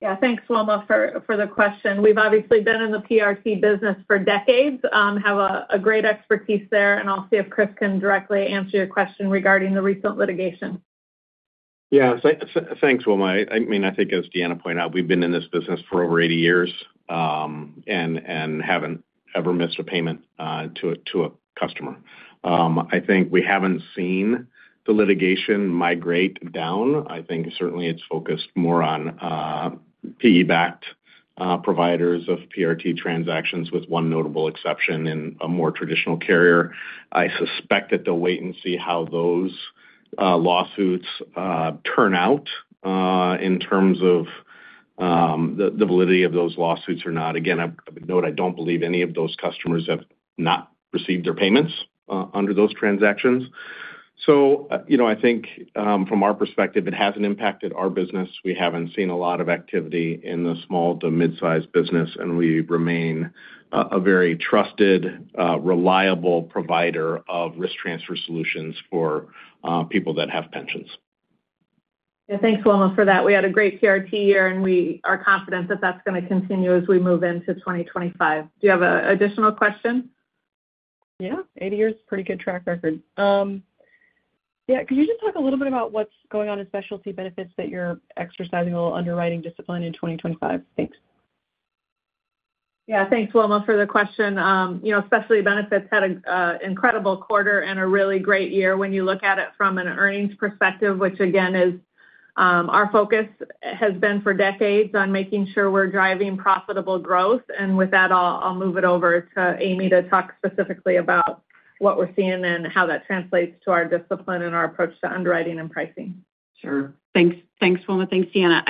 Yeah, thanks, Wilma, for the question. We've obviously been in the PRT business for decades, have a great expertise there. And I'll see if Chris can directly answer your question regarding the recent litigation. Yeah, thanks, Wilma. I mean, I think, as Deanna pointed out, we've been in this business for over 80 years and haven't ever missed a payment to a customer. I think we haven't seen the litigation migrate down. I think certainly it's focused more on PE-backed providers of PRT transactions, with one notable exception in a more traditional carrier. I suspect that they'll wait and see how those lawsuits turn out in terms of the validity of those lawsuits or not. Again, I would note I don't believe any of those customers have not received their payments under those transactions. So I think from our perspective, it hasn't impacted our business. We haven't seen a lot of activity in the small to mid-sized business, and we remain a very trusted, reliable provider of risk transfer solutions for people that have pensions. Yeah, thanks, Wilma, for that. We had a great PRT year, and we are confident that that's going to continue as we move into 2025. Do you have an additional question? Yeah, 80 years, pretty good track record. Yeah, could you just talk a little bit about what's going on in Specialty Benefits that you're exercising a little underwriting discipline in 2025? Thanks. Yeah, thanks, Wilma, for the question. Specialty Benefits had an incredible quarter and a really great year. When you look at it from an earnings perspective, which again is our focus has been for decades on making sure we're driving profitable growth. And with that, I'll move it over to Amy to talk specifically about what we're seeing and how that translates to our discipline and our approach to underwriting and pricing. Sure. Thanks, Wilma. Thanks, Deanna.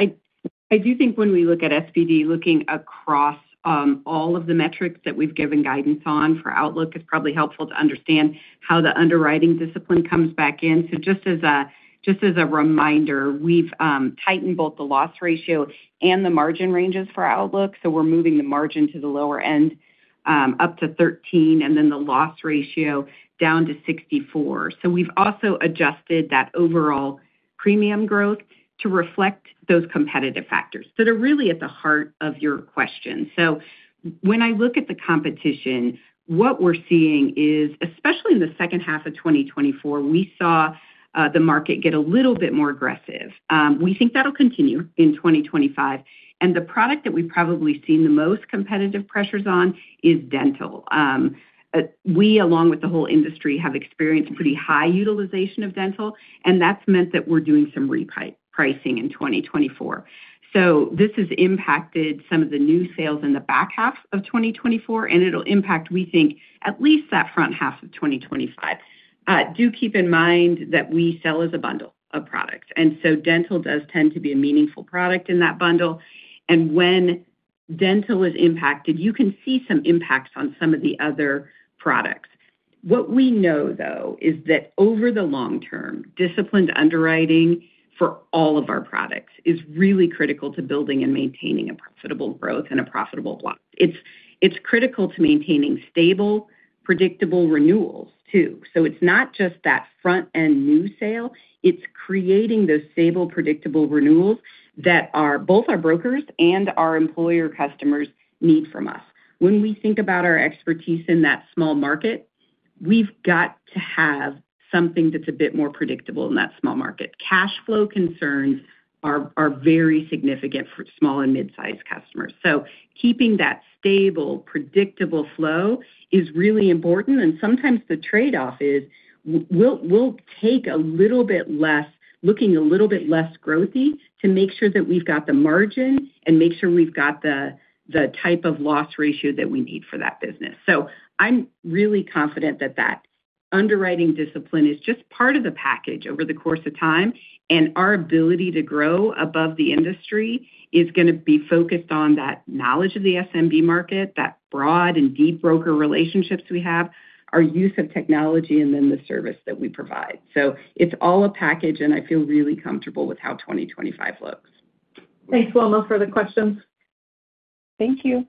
I do think when we look at SBD, looking across all of the metrics that we've given guidance on for Outlook, it's probably helpful to understand how the underwriting discipline comes back in. Just as a reminder, we've tightened both the loss ratio and the margin ranges for Outlook. We're moving the margin to the lower end up to 13, and then the loss ratio down to 64. We've also adjusted that overall premium growth to reflect those competitive factors. They're really at the heart of your question. When I look at the competition, what we're seeing is, especially in the second half of 2024, we saw the market get a little bit more aggressive. We think that'll continue in 2025. The product that we've probably seen the most competitive pressures on is Dental. We, along with the whole industry, have experienced pretty high utilization of Dental, and that's meant that we're doing some repricing in 2024. So this has impacted some of the new sales in the back half of 2024, and it'll impact, we think, at least that front half of 2025. Do keep in mind that we sell as a bundle of products. And so Dental does tend to be a meaningful product in that bundle. And when Dental is impacted, you can see some impacts on some of the other products. What we know, though, is that over the long term, disciplined underwriting for all of our products is really critical to building and maintaining a profitable growth and a profitable block. It's critical to maintaining stable, predictable renewals too. So it's not just that front-end new sale. It's creating those stable, predictable renewals that both our brokers and our employer customers need from us. When we think about our expertise in that small market, we've got to have something that's a bit more predictable in that small market. Cash flow concerns are very significant for small and mid-sized customers. So keeping that stable, predictable flow is really important. And sometimes the trade-off is we'll take a little bit less, looking a little bit less growthy to make sure that we've got the margin and make sure we've got the type of loss ratio that we need for that business. So I'm really confident that that underwriting discipline is just part of the package over the course of time. And our ability to grow above the industry is going to be focused on that knowledge of the SMB market, that broad and deep broker relationships we have, our use of technology, and then the service that we provide. So it's all a package, and I feel really comfortable with how 2025 looks. Thanks, Wilma, for the questions. Thank you.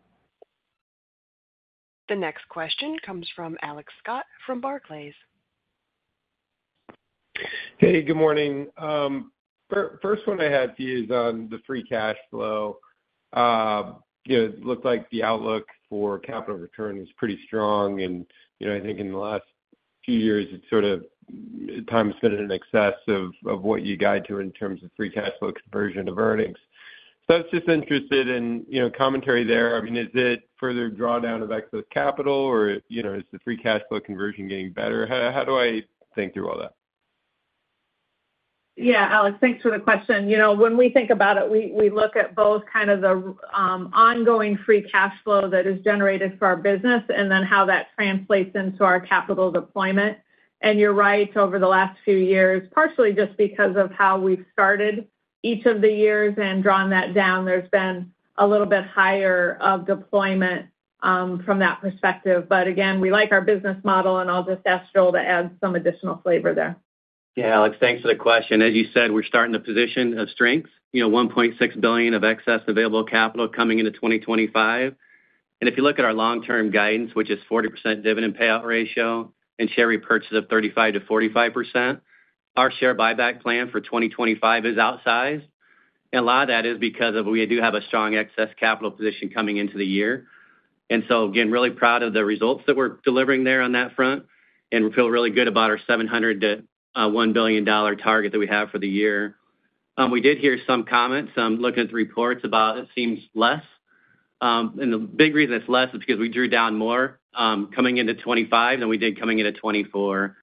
The next question comes from Alex Scott from Barclays. Hey, good morning. First one I have for you is on the free cash flow. It looks like the outlook for capital return is pretty strong. And I think in the last few years, it's sort of trended in excess of what you guide to in terms of free cash flow conversion of earnings. So I was just interested in commentary there. I mean, is it further drawdown of excess capital, or is the free cash flow conversion getting better? How do I think through all that? Yeah, Alex, thanks for the question. When we think about it, we look at both kind of the ongoing Free Capital Flow that is generated for our business and then how that translates into our capital deployment. And you're right, over the last few years, partially just because of how we've started each of the years and drawn that down, there's been a little bit higher of deployment from that perspective. But again, we like our business model, and I'll just ask Joel to add some additional flavor there. Yeah, Alex, thanks for the question. As you said, we're starting the position of strength, $1.6 billion of excess available capital coming into 2025. And if you look at our long-term guidance, which is 40% dividend payout ratio and share repurchase of 35%-45%, our share buyback plan for 2025 is outsized. A lot of that is because we do have a strong excess capital position coming into the year. So, again, really proud of the results that we're delivering there on that front. We feel really good about our $700 million-$1 billion target that we have for the year. We did hear some comments looking at the reports about it seems less. The big reason it's less is because we drew down more coming into 2025 than we did coming into 2024.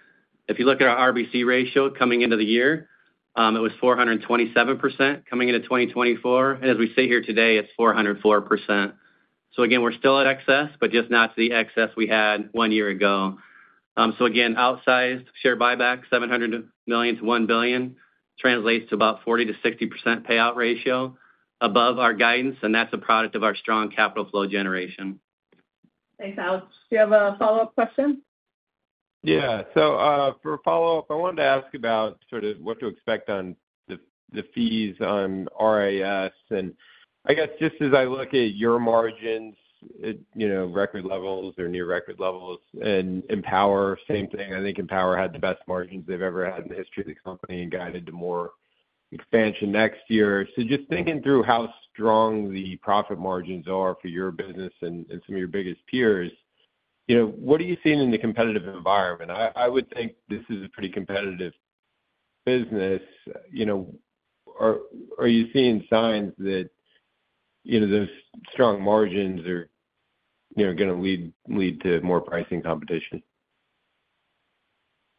If you look at our RBC ratio coming into the year, it was 427% coming into 2024. As we sit here today, it's 404%. We're still at excess, but just not to the excess we had one year ago. So again, outsized share buyback, $700 million-$1 billion translates to about 40%-60% payout ratio above our guidance, and that's a product of our strong capital flow generation. Thanks, Alex. Do you have a follow-up question? Yeah. So for follow-up, I wanted to ask about sort of what to expect on the fees on RIS. And I guess just as I look at your margins, record levels or near record levels, and Empower, same thing. I think Empower had the best margins they've ever had in the history of the company and guided to more expansion next year. So just thinking through how strong the profit margins are for your business and some of your biggest peers, what are you seeing in the competitive environment? I would think this is a pretty competitive business. Are you seeing signs that those strong margins are going to lead to more pricing competition?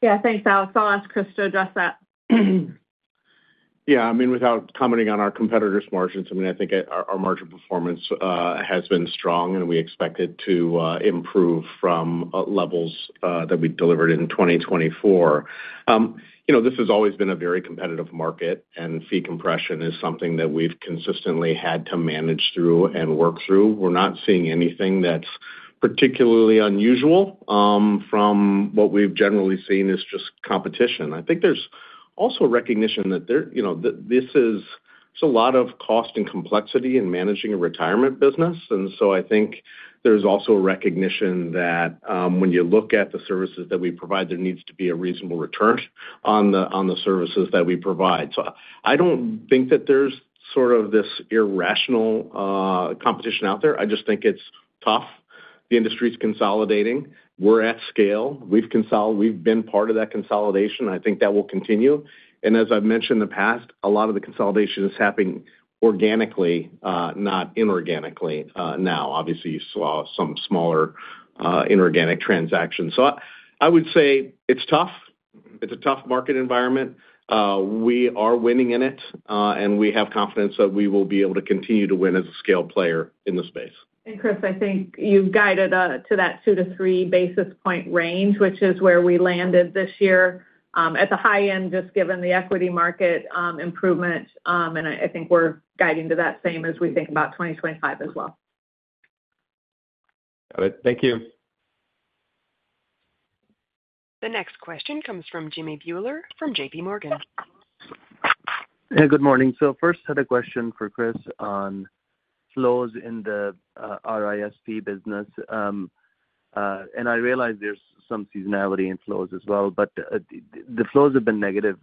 Yeah, thanks, Alex. I'll ask Chris to address that. Yeah. I mean, without commenting on our competitor's margins, I mean, I think our margin performance has been strong, and we expect it to improve from levels that we delivered in 2024. This has always been a very competitive market, and fee compression is something that we've consistently had to manage through and work through. We're not seeing anything that's particularly unusual. From what we've generally seen is just competition. I think there's also recognition that this is a lot of cost and complexity in managing a Retirement business, and so I think there's also recognition that when you look at the services that we provide, there needs to be a reasonable return on the services that we provide. So I don't think that there's sort of this irrational competition out there. I just think it's tough. The industry's consolidating. We're at scale. We've been part of that consolidation. I think that will continue. And as I've mentioned in the past, a lot of the consolidation is happening organically, not inorganically now. Obviously, you saw some smaller inorganic transactions. So I would say it's tough. It's a tough market environment. We are winning in it, and we have confidence that we will be able to continue to win as a scale player in the space. And Chris, I think you guided to that 2-3 basis point range, which is where we landed this year at the high end, just given the equity market improvement. And I think we're guiding to that same as we think about 2025 as well. Got it. Thank you. The next question comes from Jimmy Bhullar from JPMorgan. Hey, good morning. So first, I had a question for Chris on flows in the RIS business. And I realize there's some seasonality in flows as well, but the flows have been negative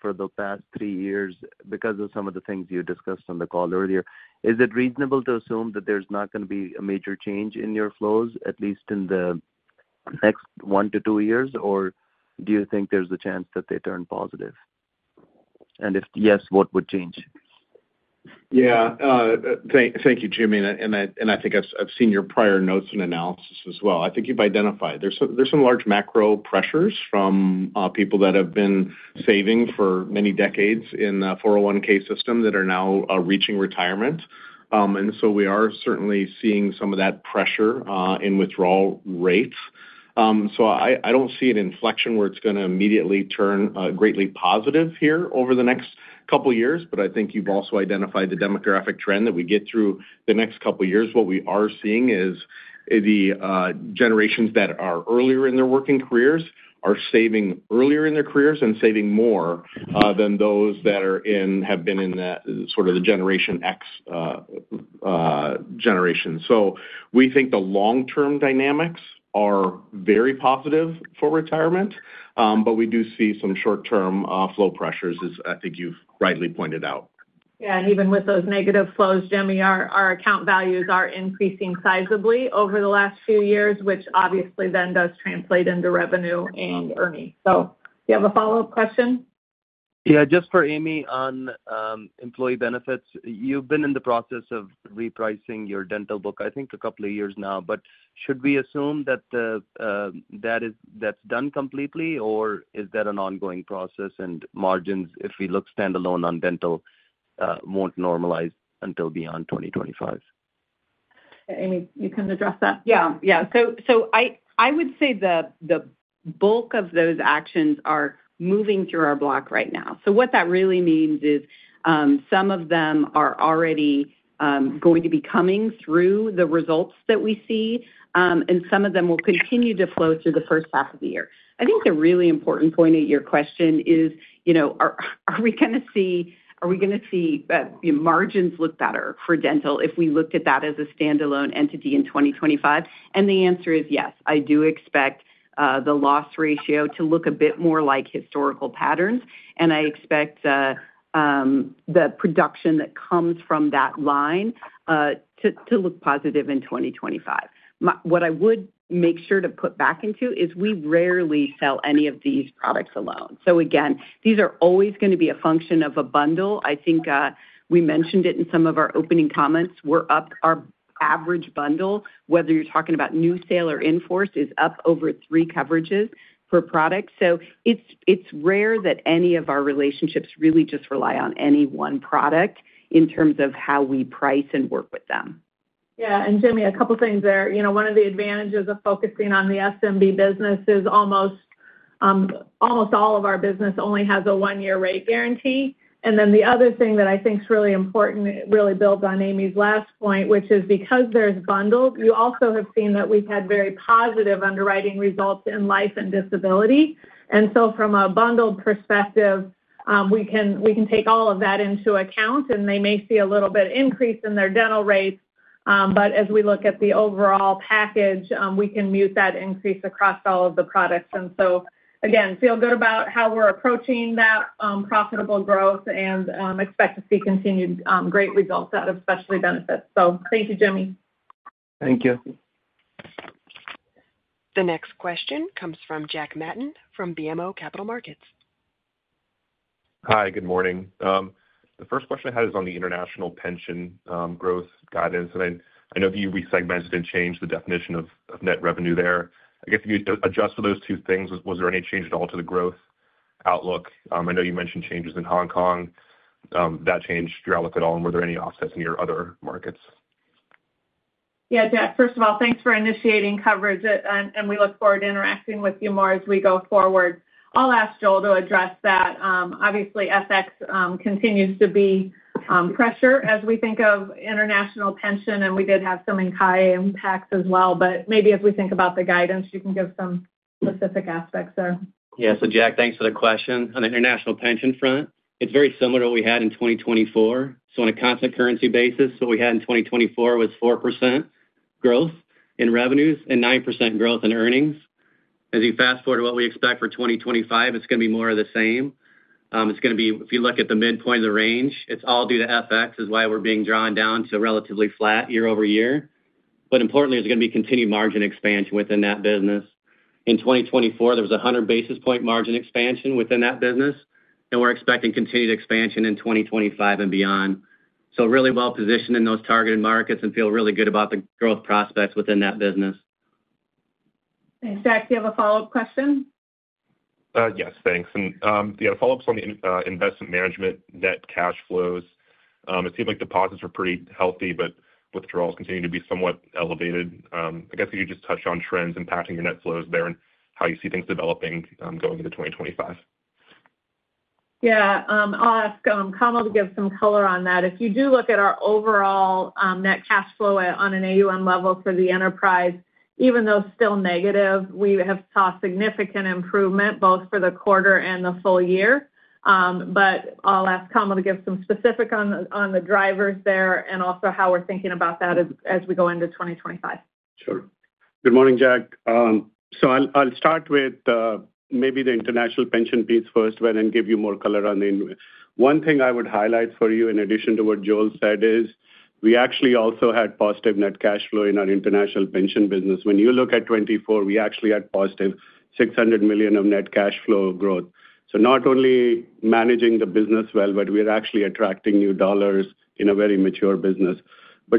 for the past three years because of some of the things you discussed on the call earlier. Is it reasonable to assume that there's not going to be a major change in your flows, at least in the next one to two years, or do you think there's a chance that they turn positive? And if yes, what would change? Yeah. Thank you, Jimmy. And I think I've seen your prior notes and analysis as well. I think you've identified there's some large macro pressures from people that have been saving for many decades in the 401(k) system that are now reaching Retirement. We are certainly seeing some of that pressure in withdrawal rates. So I don't see an inflection where it's going to immediately turn greatly positive here over the next couple of years. But I think you've also identified the demographic trend that we get through the next couple of years. What we are seeing is the generations that are earlier in their working careers are saving earlier in their careers and saving more than those that have been in sort of the Generation X generation. So we think the long-term dynamics are very positive for Retirement, but we do see some short-term flow pressures, as I think you've rightly pointed out. Yeah. And even with those negative flows, Jimmy, our account values are increasing sizably over the last few years, which obviously then does translate into revenue and earnings. So do you have a follow-up question? Yeah. Just for Amy on employee benefits. You've been in the process of repricing your Dental book, I think, a couple of years now. But should we assume that that's done completely, or is that an ongoing process? And margins, if we look standalone on Dental, won't normalize until beyond 2025? Amy, you can address that. Yeah. Yeah. So I would say the bulk of those actions are moving through our block right now. So what that really means is some of them are already going to be coming through the results that we see, and some of them will continue to flow through the first half of the year. I think the really important point of your question is, are we going to see margins look better for Dental if we looked at that as a standalone entity in 2025? And the answer is yes. I do expect the loss ratio to look a bit more like historical patterns, and I expect the production that comes from that line to look positive in 2025. What I would make sure to put back into is we rarely sell any of these products alone. So again, these are always going to be a function of a bundle. I think we mentioned it in some of our opening comments. Our average bundle, whether you're talking about new sale or in force, is up over three coverages per product. So it's rare that any of our relationships really just rely on any one product in terms of how we price and work with them. Yeah, and Jimmy, a couple of things there. One of the advantages of focusing on the SMB business is almost all of our business only has a one-year rate guarantee. And then the other thing that I think is really important. It really builds on Amy's last point, which is because there's bundled. You also have seen that we've had very positive underwriting results in life and disability. And so from a bundled perspective, we can take all of that into account, and they may see a little bit increase in their Dental rates. But as we look at the overall package, we can mute that increase across all of the products. And so again, feel good about how we're approaching that profitable growth and expect to see continued great results out of Specialty Benefits. So thank you, Jimmy. Thank you. The next question comes from Jack Matten from BMO Capital Markets. Hi, good morning. The first question I had is on the international pension growth guidance. And I know that you resegmented and changed the definition of net revenue there. I guess if you adjust for those two things, was there any change at all to the growth outlook? I know you mentioned changes in Hong Kong. That changed your outlook at all? And were there any offsets in your other markets? Yeah. Jack, first of all, thanks for initiating coverage. And we look forward to interacting with you more as we go forward. I'll ask Joel to address that. Obviously, FX continues to be pressure as we think of International Pension, and we did have some in HK impacts as well. But maybe as we think about the guidance, you can give some specific aspects there. Yeah. So Jack, thanks for the question. On the International Pension front, it's very similar to what we had in 2024. So, on a constant currency basis, what we had in 2024 was 4% growth in revenues and 9% growth in earnings. As you fast forward to what we expect for 2025, it's going to be more of the same. It's going to be, if you look at the midpoint of the range, it's all due to FX is why we're being drawn down to relatively flat year-over-year. But importantly, there's going to be continued margin expansion within that business. In 2024, there was a 100 basis point margin expansion within that business, and we're expecting continued expansion in 2025 and beyond. So really well positioned in those targeted markets and feel really good about the growth prospects within that business. Thanks, Jack. Do you have a follow-up question? Yes, thanks. And yeah, follow-ups on the Investment Management net cash flows. It seemed like deposits were pretty healthy, but withdrawals continue to be somewhat elevated. I guess could you just touch on trends impacting your net flows there and how you see things developing going into 2025? Yeah. I'll ask Kamal to give some color on that. If you do look at our overall net cash flow on an AUM level for the enterprise, even though still negative, we have saw significant improvement both for the quarter and the full year. But I'll ask Kamal to give some specifics on the drivers there and also how we're thinking about that as we go into 2025. Sure. Good morning, Jack. I'll start with maybe the International Pension piece first, but then give you more color on the one thing I would highlight for you in addition to what Joel said is we actually also had positive net cash flow in our International Pension business. When you look at 2024, we actually had positive $600 million of net cash flow growth. Not only managing the business well, but we're actually attracting new dollars in a very mature business.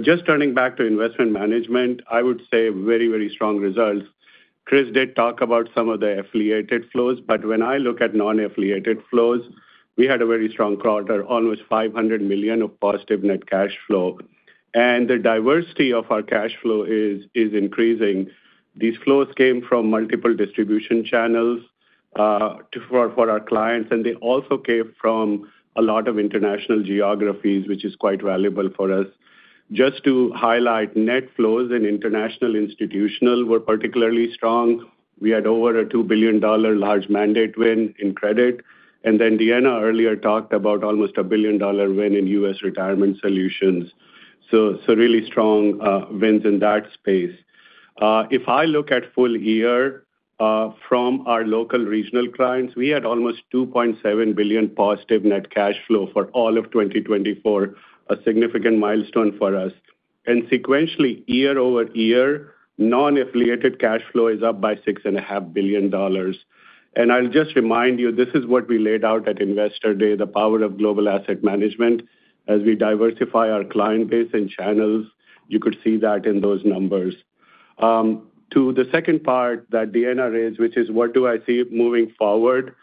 Just turning back to Investment Management, I would say very, very strong results. Chris did talk about some of the affiliated flows, but when I look at non-affiliated flows, we had a very strong quarter, almost $500 million of positive net cash flow. The diversity of our cash flow is increasing. These flows came from multiple distribution channels for our clients, and they also came from a lot of international geographies, which is quite valuable for us. Just to highlight, net flows in international institutional were particularly strong. We had over $2 billion large mandate win in credit. And then Deanna earlier talked about almost $1 billion win in U.S. Retirement Solutions. So really strong wins in that space. If I look at full year from our local regional clients, we had almost $2.7 billion positive net cash flow for all of 2024, a significant milestone for us. And sequentially, year-over-year, non-affiliated cash flow is up by $6.5 billion. And I'll just remind you, this is what we laid out at Investor Day, the power of global Asset Management. As we diversify our client base and channels, you could see that in those numbers. To the second part that Deanna raised, which is what do I see moving forward?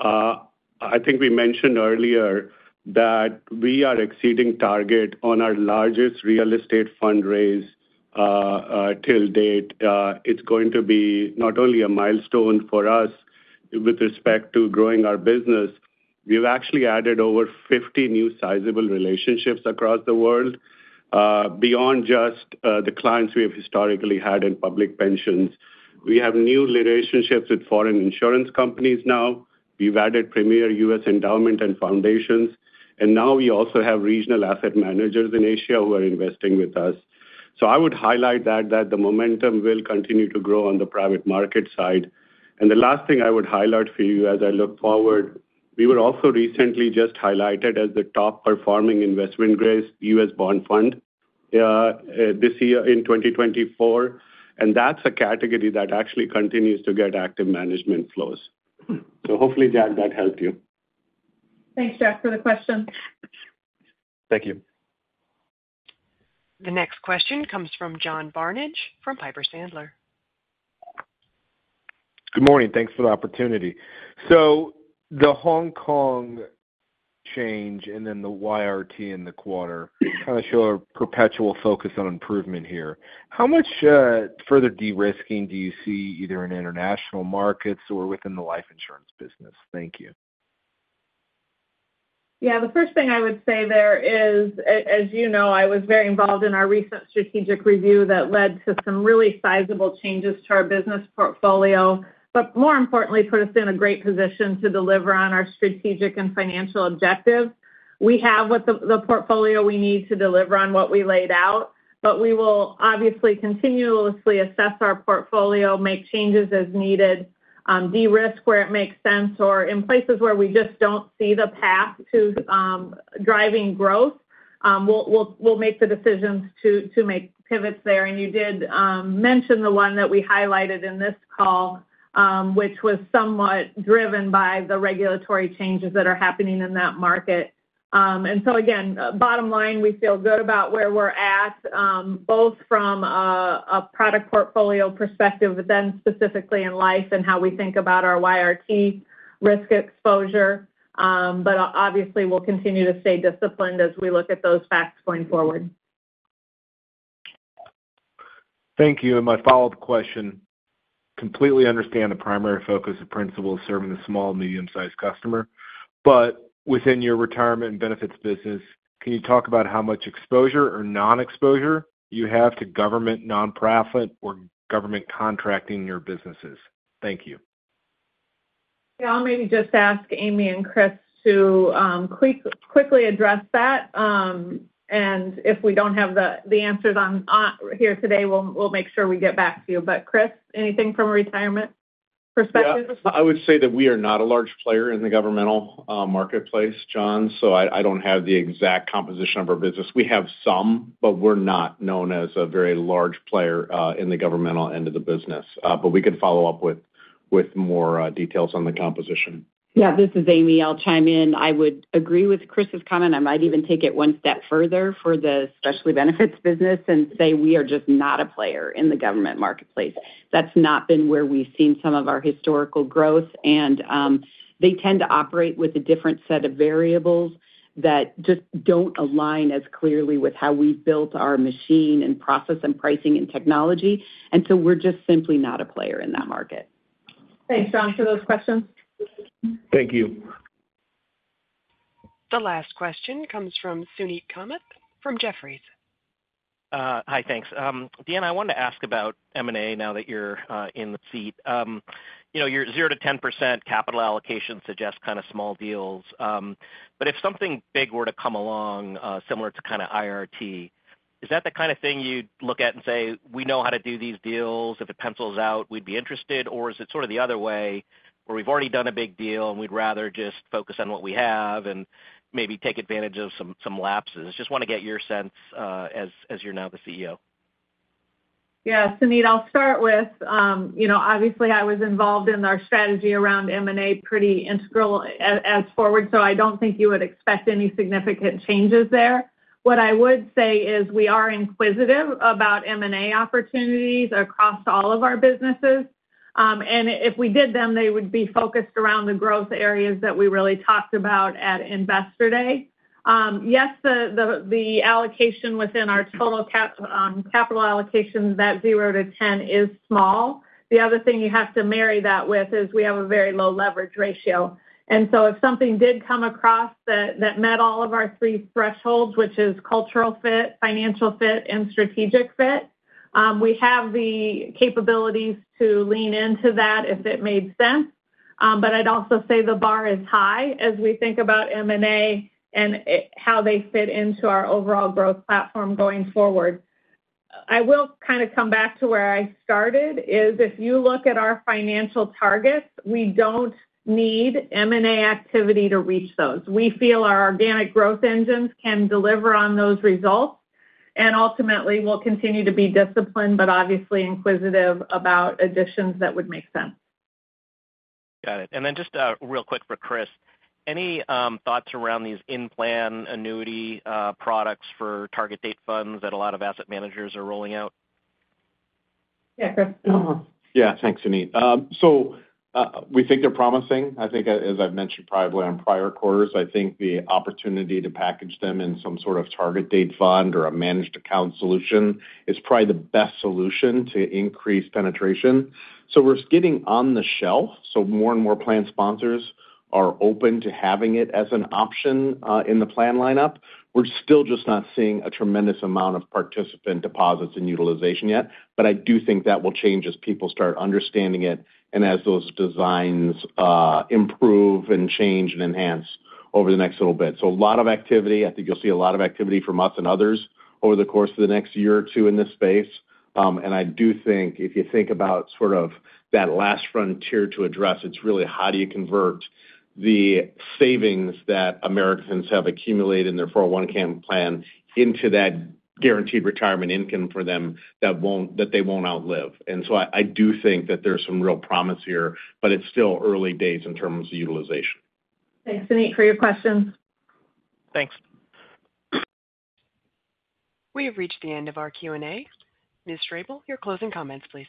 I think we mentioned earlier that we are exceeding target on our largest real estate fundraise to date. It's going to be not only a milestone for us with respect to growing our business. We've actually added over 50 new sizable relationships across the world beyond just the clients we have historically had in public pensions. We have new relationships with foreign insurance companies now. We've added premier U.S. endowment and foundations, and now we also have regional asset managers in Asia who are investing with us, so I would highlight that the momentum will continue to grow on the private market side. And the last thing I would highlight for you as I look forward, we were also recently just highlighted as the top performing investment grade U.S. bond fund this year in 2024. And that's a category that actually continues to get active management flows. So hopefully, Jack, that helped you. Thanks, Jack, for the question. Thank you. The next question comes from John Barnidge from Piper Sandler. Good morning. Thanks for the opportunity. So the Hong Kong change and then the YRT in the quarter kind of show a perpetual focus on improvement here. How much further de-risking do you see either in international markets or within the LifeInsurance business? Thank you. Yeah. The first thing I would say there is, as you know, I was very involved in our recent strategic review that led to some really sizable changes to our business portfolio, but more importantly, put us in a great position to deliver on our strategic and financial objectives. We have the portfolio we need to deliver on what we laid out, but we will obviously continuously assess our portfolio, make changes as needed, de-risk where it makes sense, or in places where we just don't see the path to driving growth, we'll make the decisions to make pivots there. And you did mention the one that we highlighted in this call, which was somewhat driven by the regulatory changes that are happening in that market. And so again, bottom line, we feel good about where we're at, both from a product portfolio perspective, but then specifically in Life and how we think about our YRT risk exposure. But obviously, we'll continue to stay disciplined as we look at those facts going forward. Thank you. And my follow-up question, completely understand the primary focus of Principal's serving the small and medium-sized customer. But within your Retirement and benefits business, can you talk about how much exposure or non-exposure you have to government, nonprofit, or government contracting in your businesses? Thank you. Yeah. I'll maybe just ask Amy and Chris to quickly address that. And if we don't have the answers here today, we'll make sure we get back to you. But Chris, anything from a Retirement perspective? Yeah. I would say that we are not a large player in the governmental marketplace, John. So I don't have the exact composition of our business. We have some, but we're not known as a very large player in the governmental end of the business. But we could follow up with more details on the composition. Yeah. This is Amy. I'll chime in. I would agree with Chris's comment. I might even take it one step further for the Specialty Benefits business and say we are just not a player in the government marketplace. That's not been where we've seen some of our historical growth. They tend to operate with a different set of variables that just don't align as clearly with how we've built our machine and process and pricing and technology. So we're just simply not a player in that market. Thanks, John, for those questions. Thank you. The last question comes from Suneet Kamath from Jefferies. Hi, thanks. Deanna, I wanted to ask about M&A now that you're in the seat. Your 0%-10% capital allocation suggests kind of small deals. But if something big were to come along similar to kind of IRT, is that the kind of thing you'd look at and say, "We know how to do these deals. If it pencils out, we'd be interested," or is it sort of the other way where we've already done a big deal and we'd rather just focus on what we have and maybe take advantage of some lapses? Just want to get your sense as you're now the CEO. Yeah. Suneet, I'll start with, obviously, I was involved in our strategy around M&A pretty integral as CFO. So I don't think you would expect any significant changes there. What I would say is we are inquisitive about M&A opportunities across all of our businesses. And if we did them, they would be focused around the growth areas that we really talked about at Investor Day. Yes, the allocation within our total capital allocation, that 0-10, is small. The other thing you have to marry that with is we have a very low leverage ratio. And so if something did come across that met all of our three thresholds, which is cultural fit, financial fit, and strategic fit, we have the capabilities to lean into that if it made sense. But I'd also say the bar is high as we think about M&A and how they fit into our overall growth platform going forward. I will kind of come back to where I started is if you look at our financial targets, we don't need M&A activity to reach those. We feel our organic growth engines can deliver on those results. And ultimately, we'll continue to be disciplined, but obviously inquisitive about additions that would make sense. Got it. And then just real quick for Chris, any thoughts around these in-plan annuity products for target date funds that a lot of asset managers are rolling out? Yeah, Chris. Yeah. Thanks, Suneet. So we think they're promising. I think, as I've mentioned probably on prior quarters, I think the opportunity to package them in some sort of target date fund or a managed account solution is probably the best solution to increase penetration. So we're getting on the shelf. So more and more plan sponsors are open to having it as an option in the plan lineup. We're still just not seeing a tremendous amount of participant deposits and utilization yet. But I do think that will change as people start understanding it and as those designs improve and change and enhance over the next little bit. So a lot of activity. I think you'll see a lot of activity from us and others over the course of the next year or two in this space. And I do think if you think about sort of that last frontier to address, it's really how do you convert the savings that Americans have accumulated in their 401(k) plan into that guaranteed retirement income for them that they won't outlive. And so I do think that there's some real promise here, but it's still early days in terms of utilization. Thanks, Suneet, for your questions. Thanks. We have reached the end of our Q&A. Ms. Strable, your closing comments, please.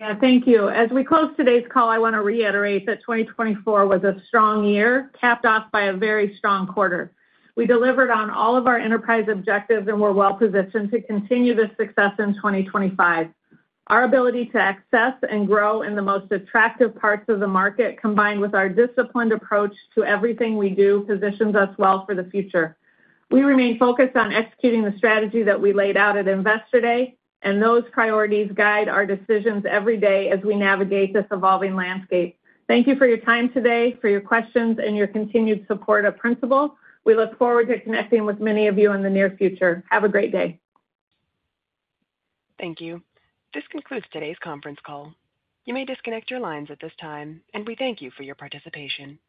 Yeah. Thank you. As we close today's call, I want to reiterate that 2024 was a strong year capped off by a very strong quarter. We delivered on all of our enterprise objectives and were well positioned to continue this success in 2025. Our ability to access and grow in the most attractive parts of the market, combined with our disciplined approach to everything we do, positions us well for the future. We remain focused on executing the strategy that we laid out at Investor Day, and those priorities guide our decisions every day as we navigate this evolving landscape. Thank you for your time today, for your questions, and your continued support of Principal. We look forward to connecting with many of you in the near future. Have a great day. Thank you. This concludes today's conference call. You may disconnect your lines at this time, and we thank you for your participation.